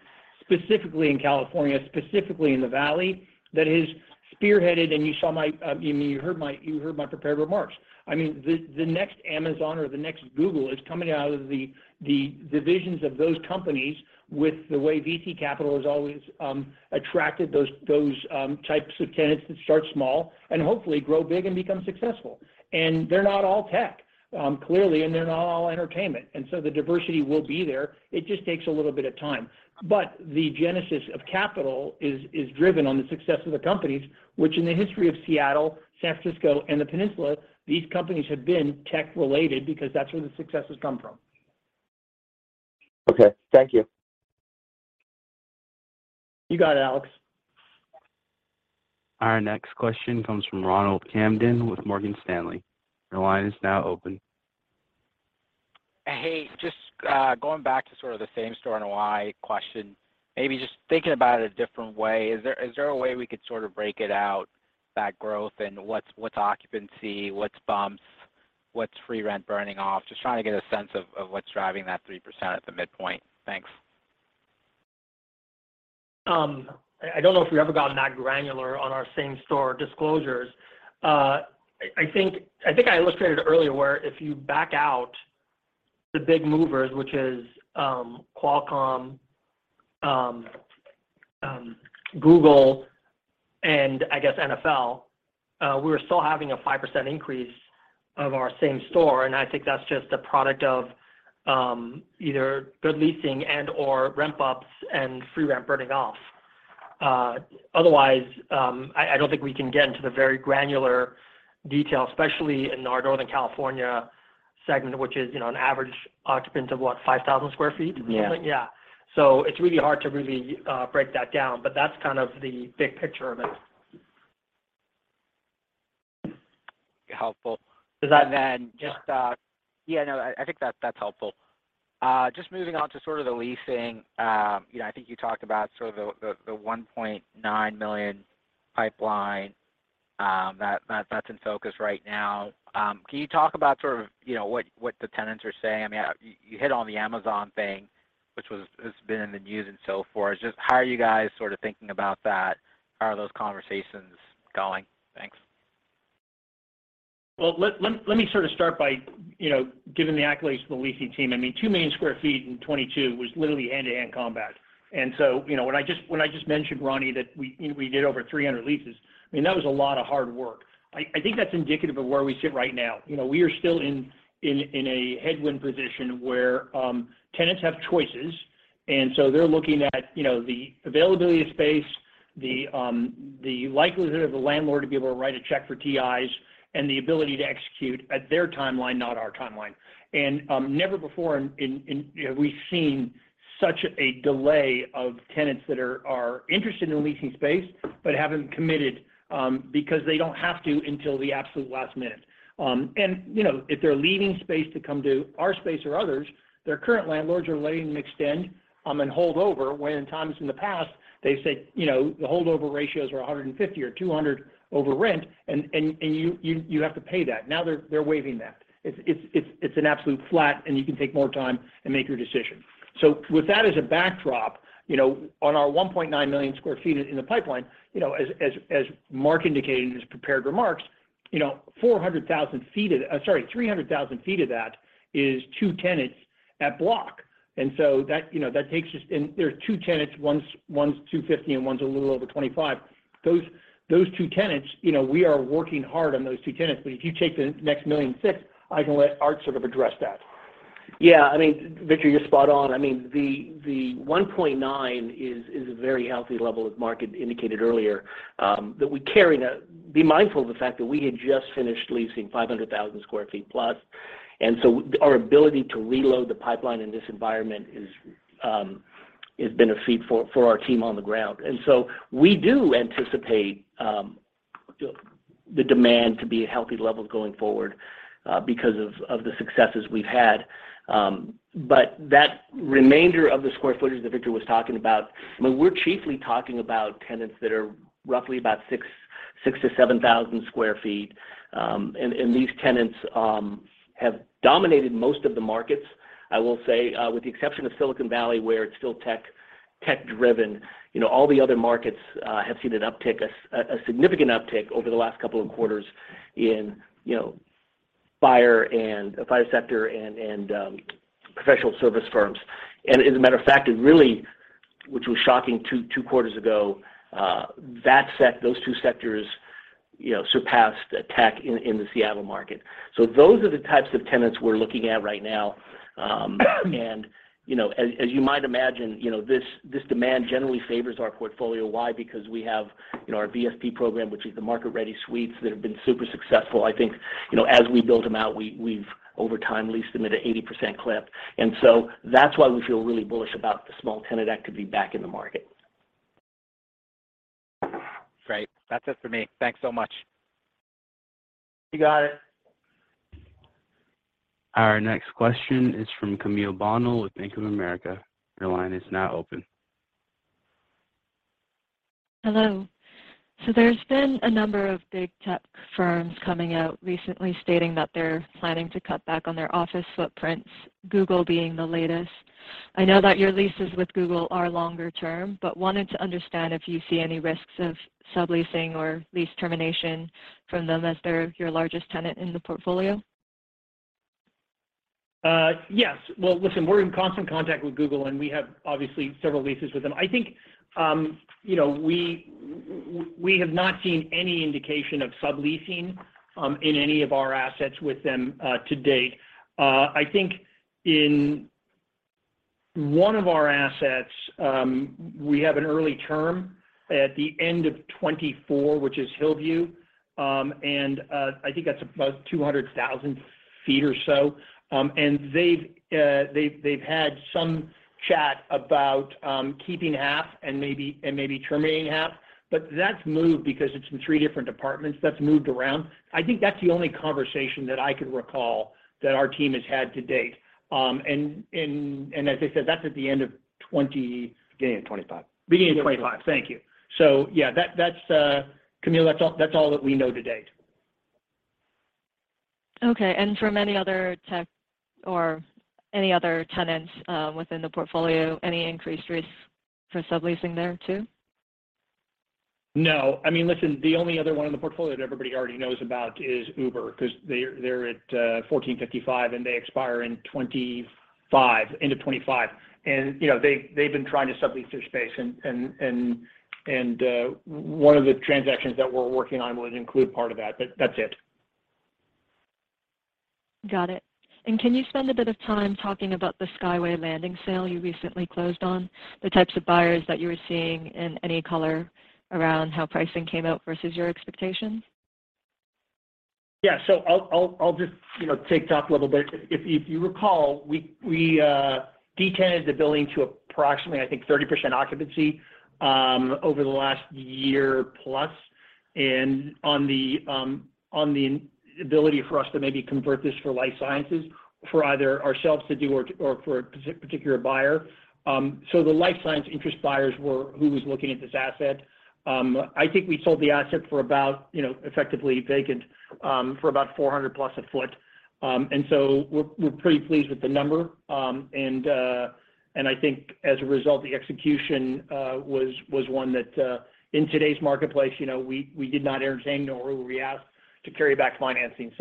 specifically in California, specifically in the Valley, that is spearheaded, and you saw my, you heard my prepared remarks. I mean, the next Amazon or the next Google is coming out of the divisions of those companies with the way VC capital has always attracted those types of tenants that start small and hopefully grow big and become successful. They're not all tech, clearly, and they're not all entertainment. So the diversity will be there. It just takes a little bit of time. The genesis of capital is driven on the success of the companies, which in the history of Seattle, San Francisco, and the Peninsula, these companies have been tech-related because that's where the successes come from. Okay. Thank you. You got it, Alex. Our next question comes from Ronald Kamdem with Morgan Stanley. Your line is now open. Hey, just going back to sort of the same store NOI question, maybe just thinking about it a different way. Is there a way we could sort it break it out, that growth and what's occupancy, what's bumps, what's free rent burning off? Just trying to get a sense of what's driving that 3% at the midpoint. Thanks. I don't know if we've ever gotten that granular on our same store disclosures. I think I illustrated earlier where if you back out the big movers, which is, Qualcomm, Google, and I guess NFL, we're still having a 5% increase of our same store. I think that's just a product of either good leasing and/or rent ups and free rent burning off. Otherwise, I don't think we can get into the very granular detail, especially in our Northern California segment, which is, you know, an average occupant of what? 5,000sq ft? Yeah. Yeah. It's really hard to really break that down, but that's kind of the big picture of it. Helpful. Does that then just? Yeah, no, I think that's helpful. Just moving on to sort of the leasing. You know, I think you talked about sort of the 1.9 million pipeline that's in focus right now. Can you talk about sort of, you know, what the tenants are saying? I mean, you hit on the Amazon thing, which has been in the news and so forth. Just how are you guys sort of thinking about that? How are those conversations going? Thanks. Well, let me sort of start by, you know, giving the accolades to the leasing team. I mean, two million sq ft in 2022 was literally hand-to-hand combat. You know, when I just mentioned, Ronnie, that we did over 300 leases, I mean, that was a lot of hard work. I think that's indicative of where we sit right now. You know, we are still in a headwind position where tenants have choices, they're looking at, you know, the availability of space, the likelihood of the landlord to be able to write a check for TIs, and the ability to execute at their timeline, not our timeline. Never before in, you know, we've seen such a delay of tenants that are interested in leasing space but haven't committed because they don't have to until the absolute last minute. You know, if they're leaving space to come to our space or others, their current landlords are letting them extend and hold over, when in times in the past they've said, you know, the holdover ratios are 150 or 200 over rent, and you have to pay that. Now they're waiving that. It's an absolute flat, and you can take more time and make your decision. With that as a backdrop, you know, on our 1.9 million sq ft in the pipeline, you know, as, as Mark indicated in his prepared remarks, you know, 400,000 feet of Sorry, 300,000 feet of that is two tenants at Block. That, you know, there's two tenants. One's 250 and one's a little over 25. Those two tenants, you know, we are working hard on those two tenants. If you take the next 1.6 million, I can let Art sort of address that. Yeah, I mean, Victor Coleman, you're spot on. I mean, the 1.9 is a very healthy level, as Mark Lammas indicated earlier, that we carry. Be mindful of the fact that we had just finished leasing 500,000 sq ft plus, our ability to reload the pipeline in this environment is has been a feat for our team on the ground. We do anticipate the demand to be at healthy levels going forward because of the successes we've had. That remainder of the square footage that Victor Coleman was talking about, I mean, we're chiefly talking about tenants that are roughly about 6,000sq ft-7,000sq ft. These tenants, have dominated most of the markets, I will say, with the exception of Silicon Valley, where it's still tech driven. You know, all the other markets, have seen an uptick, a significant uptick over the last couple of quarters in, you know... Fire sector and professional service firms. As a matter of fact, it really, which was shocking two quarters ago, those two sectors, you know, surpassed tech in the Seattle market. Those are the types of tenants we're looking at right now. You know, as you might imagine, you know, this demand generally favors our portfolio. Why? Because we have, you know, our VSP program, which is the market-ready suites that have been super successful. I think, you know, as we build them out, we've over time leased them at a 80% clip. That's why we feel really bullish about the small tenant activity back in the market. Great. That's it for me. Thanks so much. You got it. Our next question is from Camille Bonnel with Bank of America. Your line is now open. Hello. There's been a number of big tech firms coming out recently stating that they're planning to cut back on their office footprints, Google being the latest. I know that your leases with Google are longer term, but wanted to understand if you see any risks of subleasing or lease termination from them as they're your largest tenant in the portfolio. Yes. Well, listen, we're in constant contact with Google, and we have obviously several leases with them. I think, you know, we have not seen any indication of subleasing in any of our assets with them to date. I think in one of our assets, we have an early term at the end of 2024, which is Hillview, and I think that's about 200,000 feet or so. And they've had some chat about keeping half and maybe, and maybe terminating half. That's moved because it's in three different departments. That's moved around. I think that's the only conversation that I could recall that our team has had to date. As I said, that's at the end of 20- Beginning of 2025. Beginning of 2025. Thank you. Yeah. That's Camille, that's all that we know to date. Okay. From any other tech or any other tenants, within the portfolio, any increased risk for subleasing there too? No. I mean, listen, the only other one in the portfolio that everybody already knows about is Uber, 'cause they're at 1455, and they expire in 2025, end of 2025. You know, they've been trying to sublease their space and one of the transactions that we're working on would include part of that, but that's it. Got it. Can you spend a bit of time talking about the Skyway Landing sale you recently closed on, the types of buyers that you were seeing and any color around how pricing came out versus your expectations? Yeah. I'll just, you know, talk a little bit. If you recall, we de-tenanted the building to approximately, I think, 30% occupancy over the last year plus on the ability for us to maybe convert this for life sciences for either ourselves to do or for a particular buyer. The life science interest buyers were who was looking at this asset. I think we sold the asset for about, you know, effectively vacant, for about $400+ a foot. We're pretty pleased with the number. I think as a result, the execution was one that in today's marketplace, you know, we did not entertain nor were we asked to carry back financing.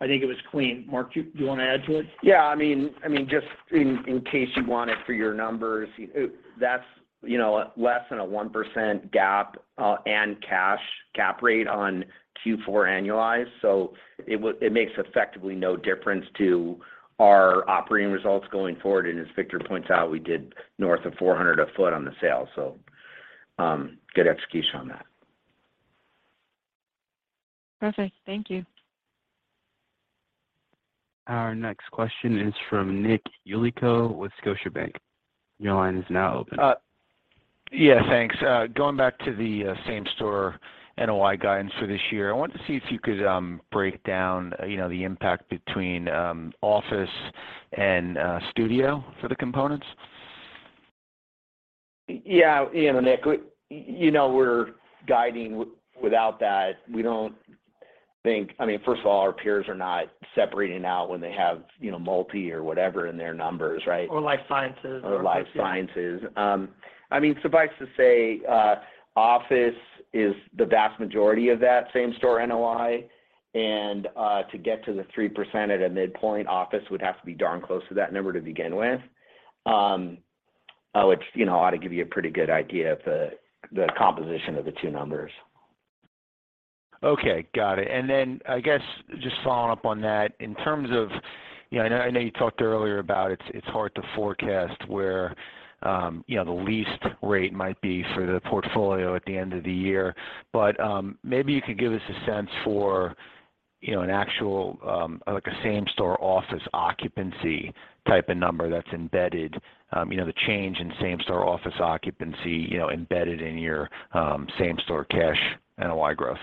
I think it was clean. Mark, you wanna add to it? Yeah. I mean, just in case you want it for your numbers, that's, you know, less than a 1% gap and cash cap rate on Q4 annualized. It makes effectively no difference to our operating results going forward. As Victor points out, we did north of $400 a foot on the sale. Good execution on that. Perfect. Thank you. Our next question is from Nick Yulico with Scotiabank. Your line is now open. Yeah, thanks. Going back to the same-store NOI guidance for this year, I wanted to see if you could, break down, you know, the impact between office and studio for the components. Yeah. You know, Nick, you know, we're guiding without that. We don't think. I mean, first of all, our peers are not separating out when they have, you know, multi or whatever in their numbers, right? life sciences. Life sciences. I mean, suffice to say, office is the vast majority of that same-store NOI. To get to the 3% at a midpoint office would have to be darn close to that number to begin with, which, you know, ought to give you a pretty good idea of the composition of the two numbers. Okay. Got it. I guess just following up on that, in terms of, you know, I know, I know you talked earlier about it's hard to forecast where, you know, the lease rate might be for the portfolio at the end of the year, but, maybe you could give us a sense for, you know, an actual, like a same-store office occupancy type of number that's embedded, you know, the change in same-store office occupancy, you know, embedded in your, same-store cash NOI growth.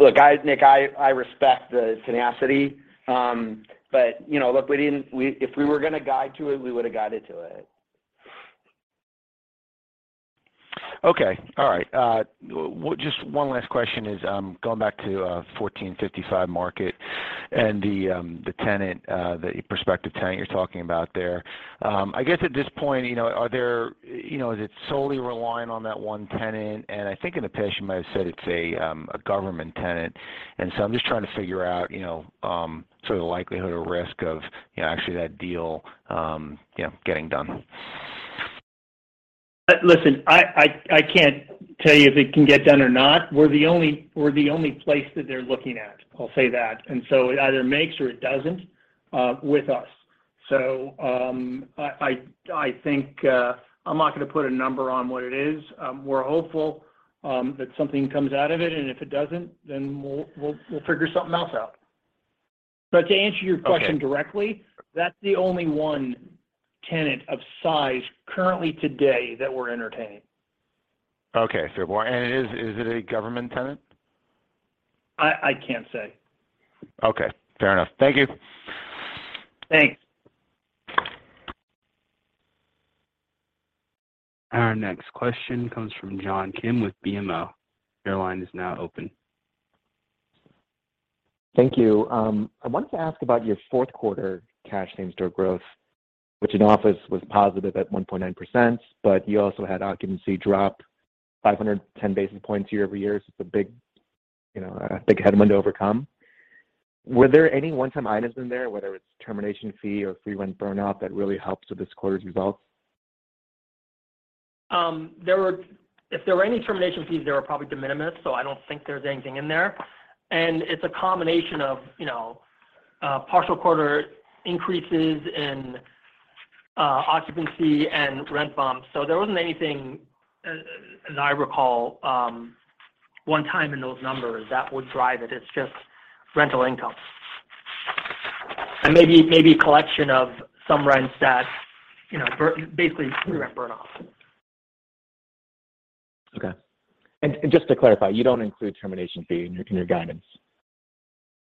Look, Nick, I respect the tenacity, but, you know, look, if we were gonna guide to it, we would have guided to it. Okay. All right. Just one last question is, going back to 1455 Market. The tenant, the prospective tenant you're talking about there. I guess, at this point, you know, is it solely relying on that one tenant? I think in the pitch, you might have said it's a government tenant, I'm just trying to figure out, you know, sort of the likelihood or risk of, you know, actually that deal, you know, getting done. Listen, I can't tell you if it can get done or not. We're the only place that they're looking at, I'll say that. It either makes or it doesn't with us. I think I'm not gonna put a number on what it is. We're hopeful that something comes out of it, and if it doesn't, we'll figure something else out. To answer your question directly, that's the only one tenant of size currently today that we're entertaining. Okay. more... Is it a government tenant? I can't say. Okay. Fair enough. Thank you. Thanks. Our next question comes from John Kim with BMO. Your line is now open. Thank you. I wanted to ask about your fourth quarter cash same-store growth, which in office was positive at 1.9%. You also had occupancy drop 510 basis points year-over-year. It's a big, you know, a big headwind to overcome. Were there any one-time items in there, whether it's termination fee or free rent burnout that really helped with this quarter's results? If there were any termination fees, they were probably de minimis, so I don't think there's anything in there. It's a combination of, you know, partial quarter increases in occupancy and rent bumps. There wasn't anything, as I recall, one time in those numbers that would drive it. It's just rental income. Maybe collection of some rents that, you know, basically free rent burn off. Okay. Just to clarify, you don't include termination fee in your guidance,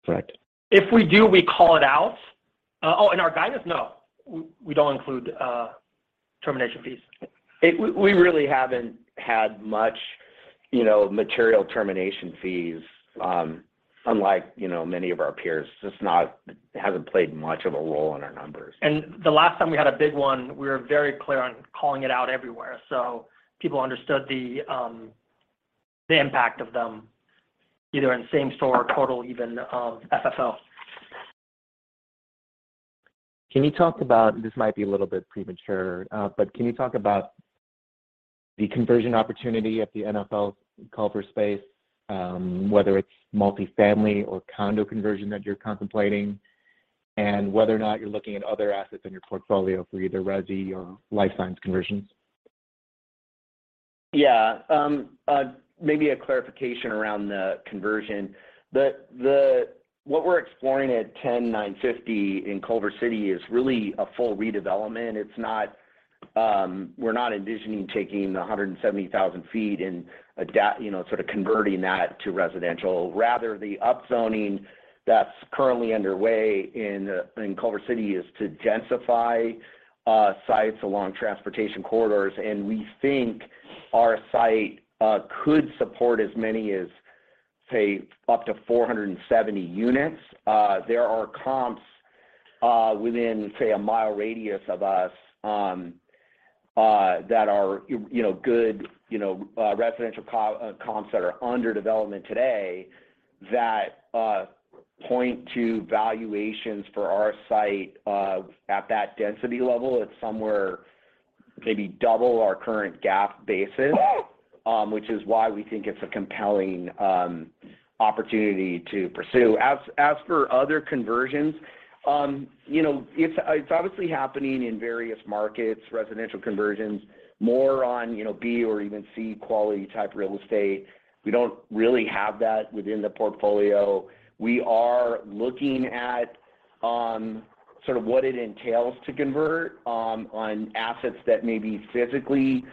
correct? If we do, we call it out. In our guidance? No. We don't include termination fees. We really haven't had much, you know, material termination fees, unlike, you know, many of our peers. It hasn't played much of a role in our numbers. The last time we had a big one, we were very clear on calling it out everywhere, so people understood the impact of them, either in same store or total even FFO. This might be a little bit premature, can you talk about the conversion opportunity at the NFL Culver space, whether it's multi-family or condo conversion that you're contemplating, and whether or not you're looking at other assets in your portfolio for either resi or life science conversions? Yeah. Maybe a clarification around the conversion. What we're exploring at 10950 in Culver City is really a full redevelopment. It's not. We're not envisioning taking the 170,000 feet and adapt, you know, sort of converting that to residential. The upzoning that's currently underway in Culver City is to densify sites along transportation corridors, and we think our site could support as many as, say, up to 470 units. There are comps within, say, a mile radius of us that are, you know, good, you know, residential co-comps that are under development today that point to valuations for our site at that density level. It's somewhere maybe double our current GAAP basis, which is why we think it's a compelling opportunity to pursue. As for other conversions, you know, it's obviously happening in various markets, residential conversions, more on, you know, B or even C quality type real estate. We don't really have that within the portfolio. We are looking at sort of what it entails to convert on assets that maybe physically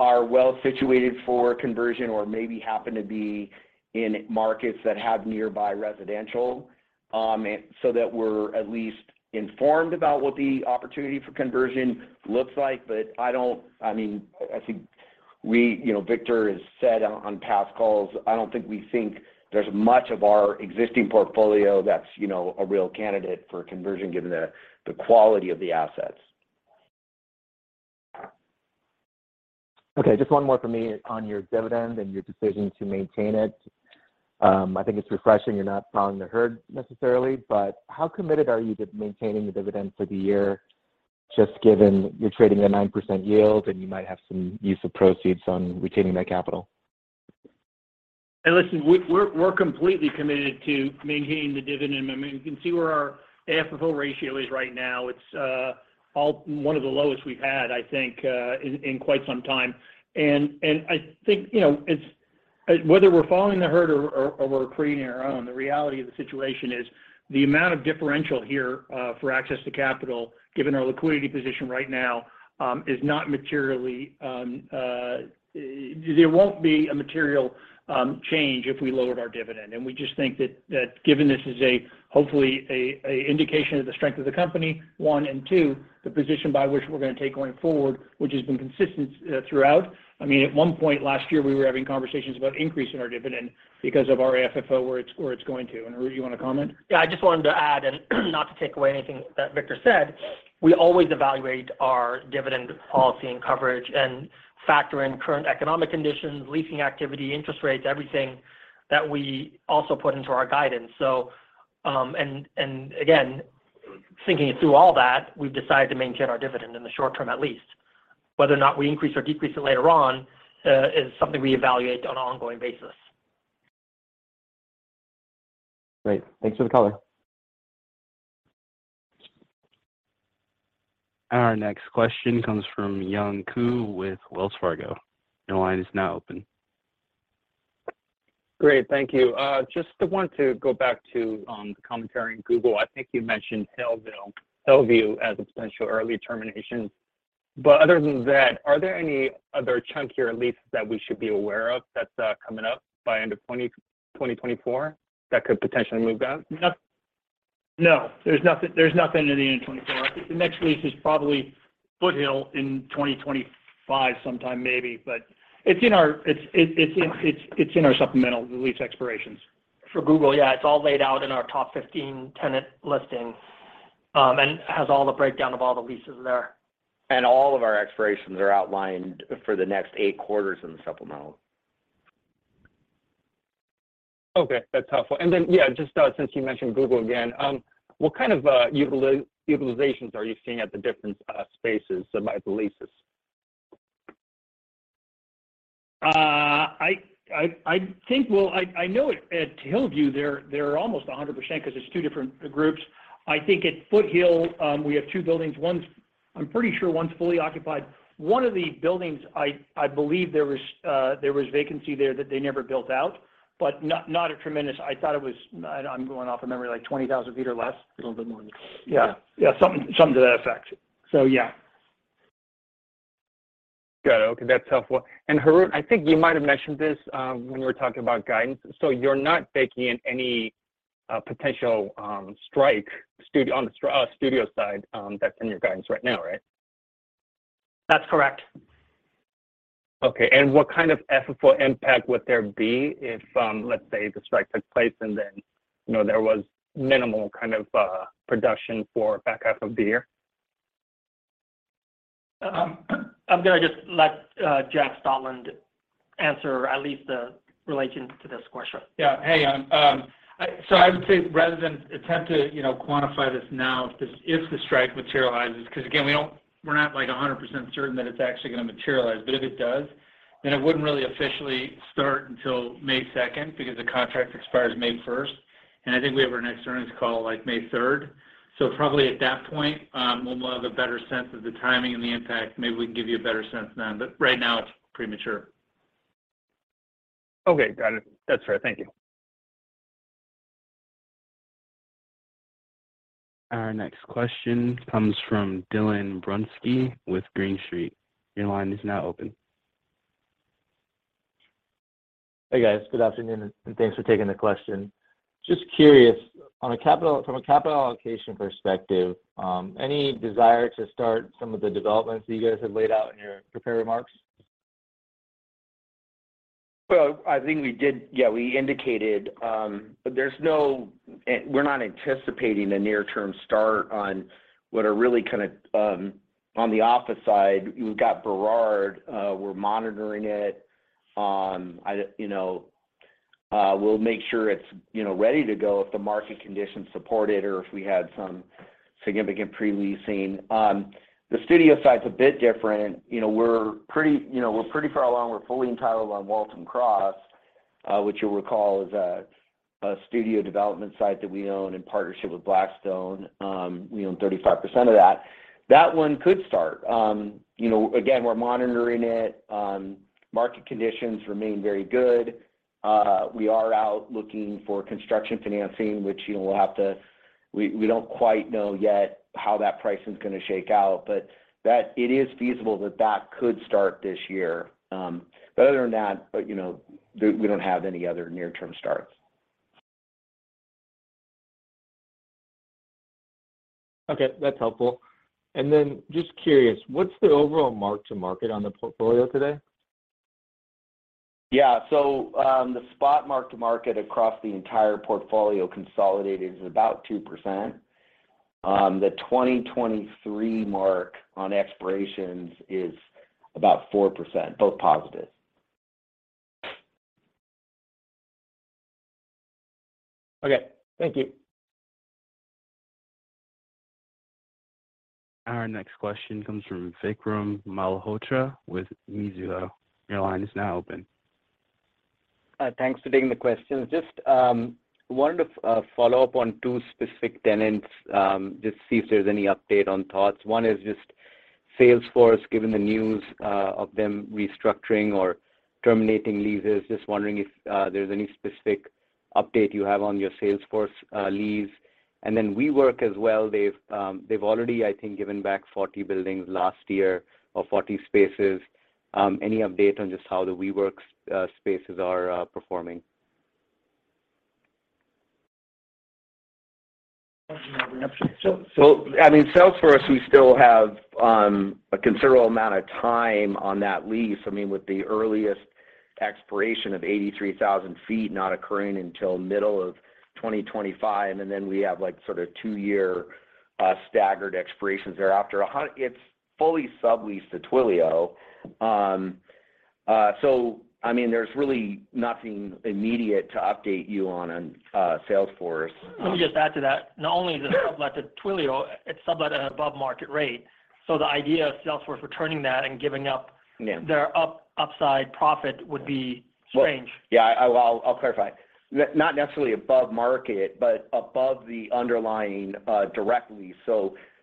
are well situated for conversion or maybe happen to be in markets that have nearby residential, so that we're at least informed about what the opportunity for conversion looks like. I mean, I think we, you know, Victor has said on past calls, I don't think we think there's much of our existing portfolio that's, you know, a real candidate for conversion given the quality of the assets. Okay. Just one more from me on your dividend and your decision to maintain it. I think it's refreshing you're not following the herd necessarily, but how committed are you to maintaining the dividend for the year, just given you're trading at 9% yield, and you might have some use of proceeds on retaining that capital? Hey, listen, we're completely committed to maintaining the dividend. I mean, you can see where our FFO ratio is right now. It's one of the lowest we've had, I think, in quite some time. I think, you know, whether we're following the herd or we're creating our own, the reality of the situation is the amount of differential here for access to capital, given our liquidity position right now, is not materially. There won't be a material change if we lowered our dividend. We just think that given this is a, hopefully a indication of the strength of the company, one, and two, the position by which we're gonna take going forward, which has been consistent throughout. I mean, at one point last year, we were having conversations about increasing our dividend because of our FFO, where it's going to. Harout, do you wanna comment? Yeah. I just wanted to add, and not to take away anything that Victor said. We always evaluate our dividend policy and coverage and factor in current economic conditions, leasing activity, interest rates, everything that we also put into our guidance. So Again, thinking it through all that, we've decided to maintain our dividend in the short term, at least. Whether or not we increase or decrease it later on, is something we evaluate on an ongoing basis. Great. Thanks for the color. Our next question comes from Yong Koo with Wells Fargo. Your line is now open. Great. Thank you. Just want to go back to the commentary on Google. I think you mentioned Hillview as a potential early termination. Other than that, are there any other chunkier leases that we should be aware of that's coming up by end of 2024 that could potentially move out? No. There's nothing in the end of 2024. I think the next lease is probably Foothill in 2025 sometime maybe. It's in our supplemental release expirations. For Google, yeah, it's all laid out in our top 15 tenant listings, and has all the breakdown of all the leases there. All of our expirations are outlined for the next eight quarters in the supplemental. Okay. That's helpful. Yeah, just, since you mentioned Google again, what kind of utilizations are you seeing at the different spaces of the leases? I think. I know at Hillview they're almost 100% because it's two different groups. I think at Foothill, we have two buildings. One's, I'm pretty sure one's fully occupied. One of the buildings I believe there was vacancy there that they never built out, but not a tremendous. I thought it was, I'm going off memory, like 20,000 feet or less. A little bit more than that. Yeah. Yeah. Something, something to that effect. Yeah. Got it. Okay. That's helpful. Harout, I think you might have mentioned this, when you were talking about guidance. You're not baking in any potential strike on the studio side, that's in your guidance right now, right? That's correct. Okay. What kind of FFO impact would there be if, let's say, the strike took place and then, you know, there was minimal kind of production for back half of the year? I'm gonna just let Jeff Stotland answer at least the relation to this question. Yeah. Hey, I would say rather than attempt to, you know, quantify this now if the strike materializes, because again, we're not like 100% certain that it's actually gonna materialize. If it does, it wouldn't really officially start until May 2nd, because the contract expires May 1st. I think we have our next earnings call, like, May 3rd. Probably at that point, we'll have a better sense of the timing and the impact. Maybe we can give you a better sense then. Right now it's premature. Okay. Got it. That's fair. Thank you. Our next question comes from Dylan Burzinski with Green Street. Your line is now open. Hey, guys. Good afternoon. Thanks for taking the question. Just curious, from a capital allocation perspective, any desire to start some of the developments that you guys have laid out in your prepared remarks? Well, I think we did. Yeah, we indicated, there's no, we're not anticipating a near-term start on what are really kind of. On the office side, we've got Burrard. We're monitoring it. I, you know, we'll make sure it's, you know, ready to go if the market conditions support it or if we had some significant pre-leasing. The studio side's a bit different. You know, we're pretty far along. We're fully entitled on Waltham Cross, which you'll recall is a studio development site that we own in partnership with Blackstone. We own 35% of that. That one could start. You know, again, we're monitoring it. Market conditions remain very good. We are out looking for construction financing, which, you know, we'll have to... We don't quite know yet how that pricing is gonna shake out. It is feasible that that could start this year. Other than that, you know, we don't have any other near-term starts. Okay. That's helpful. Just curious, what's the overall mark-to-market on the portfolio today? Yeah. The spot mark-to-market across the entire portfolio consolidated is about 2%. The 2023 mark on expirations is about 4%, both positive. Okay. Thank you. Our next question comes from Vikram Malhotra with Mizuho. Your line is now open. Thanks for taking the question. Just wanted to follow up on two specific tenants, just see if there's any update on thoughts. One is just Salesforce, given the news of them restructuring or terminating leases. Just wondering if there's any specific update you have on your Salesforce lease. Then WeWork as well. They've already, I think, given back 40 buildings last year or 40 spaces. Any update on just how the WeWork spaces are performing? I mean, Salesforce, we still have a considerable amount of time on that lease. I mean, with the earliest expiration of 83,000 feet not occurring until middle of 2025, and then we have, like, sort of two-year staggered expirations thereafter. It's fully subleased to Twilio. I mean, there's really nothing immediate to update you on Salesforce. Let me just add to that. Not only is it sublet to Twilio, it's sublet at an above market rate. The idea of Salesforce returning that and giving up. Yeah... their upside profit would be strange. Well, yeah, I'll clarify. Not necessarily above market, but above the underlying direct lease.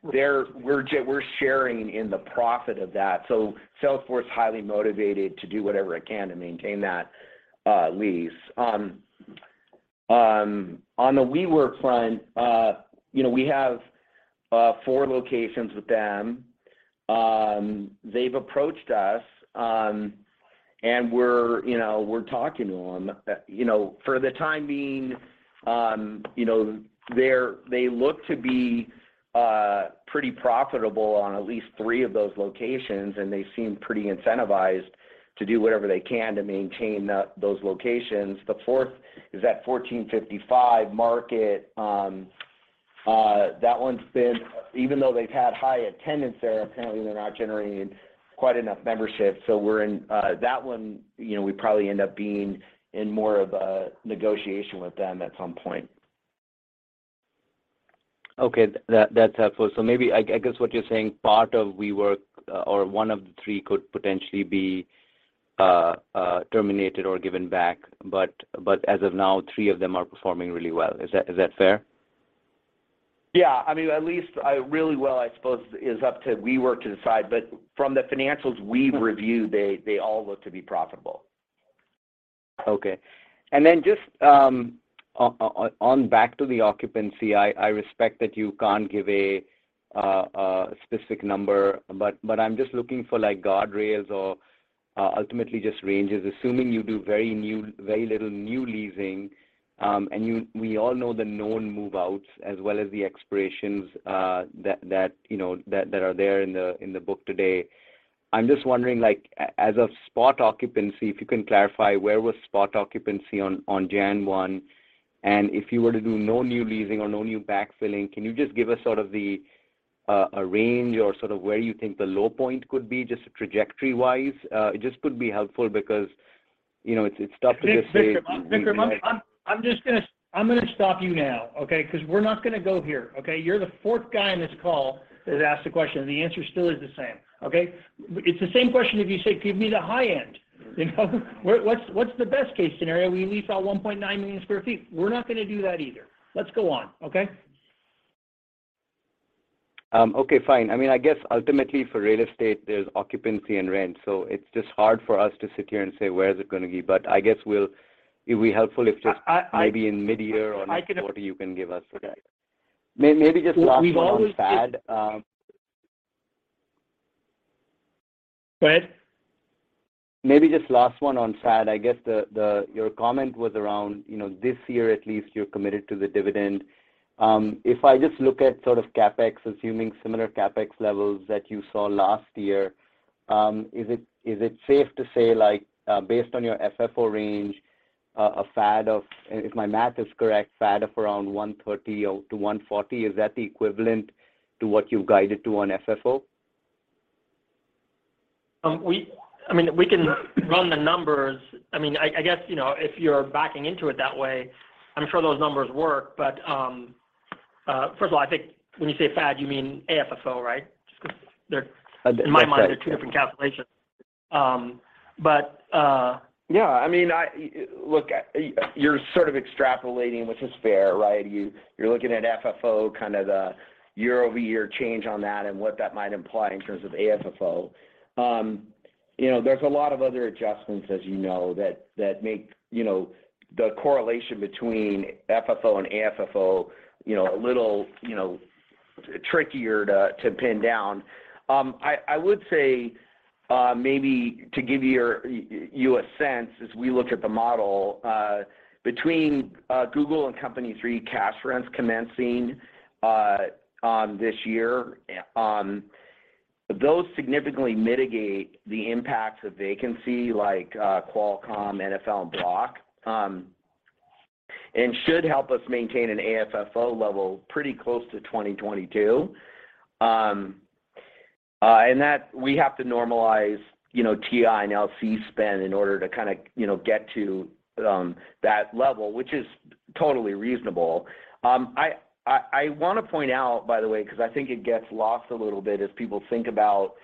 We're sharing in the profit of that. Salesforce is highly motivated to do whatever it can to maintain that lease. On the WeWork front, you know, we have four locations with them. They've approached us, and we're, you know, we're talking to them. You know, for the time being, you know, they look to be pretty profitable on at least three of those locations, and they seem pretty incentivized to do whatever they can to maintain those locations. The fourth is at 1455 Market. Even though they've had high attendance there, apparently they're not generating quite enough membership. We're in... That one, you know, we probably end up being in more of a negotiation with them at some point. Okay. That's helpful. Maybe I guess what you're saying, part of WeWork or one of the three could potentially be terminated or given back, as of now, three of them are performing really well. Is that fair? Yeah. I mean, at least, really well, I suppose is up to WeWork to decide. From the financials we've reviewed, they all look to be profitable. Okay. Then just on back to the occupancy, I respect that you can't give a specific number, but I'm just looking for like guardrails or ultimately just ranges, assuming you do very little new leasing, and we all know the known move-outs as well as the expirations, that, you know, that are there in the book today. I'm just wondering, like as of spot occupancy, if you can clarify where was spot occupancy on January 1? If you were to do no new leasing or no new backfilling, can you just give us sort of a range or sort of where you think the low point could be, just trajectory-wise? It just could be helpful because, you know, it's tough to just say. Vikram, I'm just gonna stop you now, okay? Cause we're not gonna go here, okay? You're the fourth guy on this call that asked the question, and the answer still is the same, okay? It's the same question if you say, "Give me the high end." You know? What's the best case scenario? We leased out 1.9 million sq ft. We're not gonna do that either. Let's go on, okay? Okay, fine. I mean, I guess ultimately for real estate, there's occupancy and rent, so it's just hard for us to sit here and say where is it gonna be. I, I- Maybe in mid-year or next- I can-... quarter you can give us. Okay. Maybe just last one on FAD? Go ahead. Maybe just last one on FAD. I guess your comment was around, you know, this year at least, you're committed to the dividend. If I just look at sort of CapEx, assuming similar CapEx levels that you saw last year, is it safe to say like, based on your FFO range, a FAD of, if my math is correct, FAD of around $130-$140, is that the equivalent to what you've guided to on FFO? I mean, we can run the numbers. I mean, I guess, you know, if you're backing into it that way, I'm sure those numbers work. First of all, I think when you say FAD, you mean AFFO, right? Just 'cause they're. That's right. In my mind, they're two different calculations. Yeah, I mean, Look, you're sort of extrapolating, which is fair, right? You're looking at FFO, kind of the year-over-year change on that and what that might imply in terms of AFFO. You know, there's a lot of other adjustments, as you know, that make, you know, the correlation between FFO and AFFO, you know, a little, trickier to pin down. I would say, maybe to give you a sense as we look at the model, between Google and Company three cash rents commencing this year, those significantly mitigate the impacts of vacancy like Qualcomm, NFL and Block, and should help us maintain an AFFO level pretty close to 2022. That we have to normalize, you know, TI and LC spend in order to kinda, you know, get to that level, which is totally reasonable. I wanna point out, by the way, 'cause I think it gets lost a little bit as people think about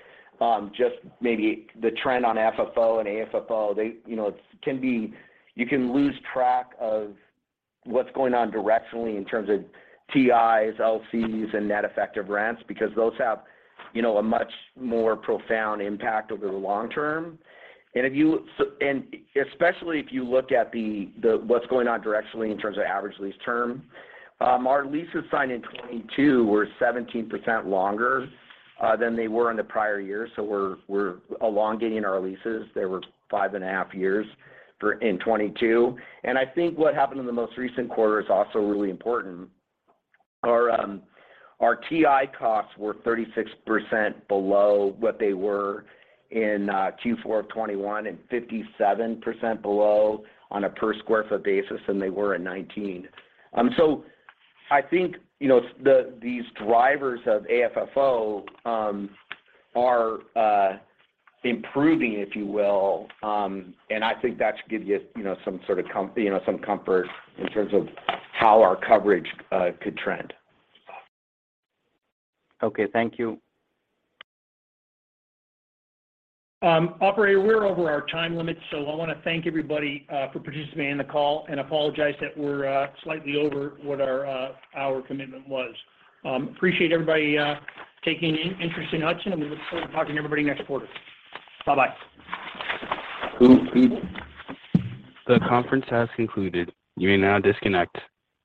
just maybe the trend on FFO and AFFO. You know, it can be. You can lose track of what's going on directionally in terms of TIs, LCs, and net effective rents because those have, you know, a much more profound impact over the long term. If you look at what's going on directionally in terms of average lease term. Our leases signed in 2022 were 17% longer than they were in the prior year, so we're elongating our leases. They were 5.5 years in 2022. I think what happened in the most recent quarter is also really important. Our TI costs were 36% below what they were in Q4 of 2021 and 57% below on a per square foot basis than they were in 2019. I think, you know, these drivers of AFFO are improving, if you will. I think that should give you know, some comfort in terms of how our coverage could trend. Okay. Thank you. Operator, we're over our time limit. I wanna thank everybody for participating in the call and apologize that we're slightly over what our hour commitment was. Appreciate everybody taking interest in Hudson. We look forward to talking to everybody next quarter. Bye-bye. Cool. The conference has concluded. You may now disconnect.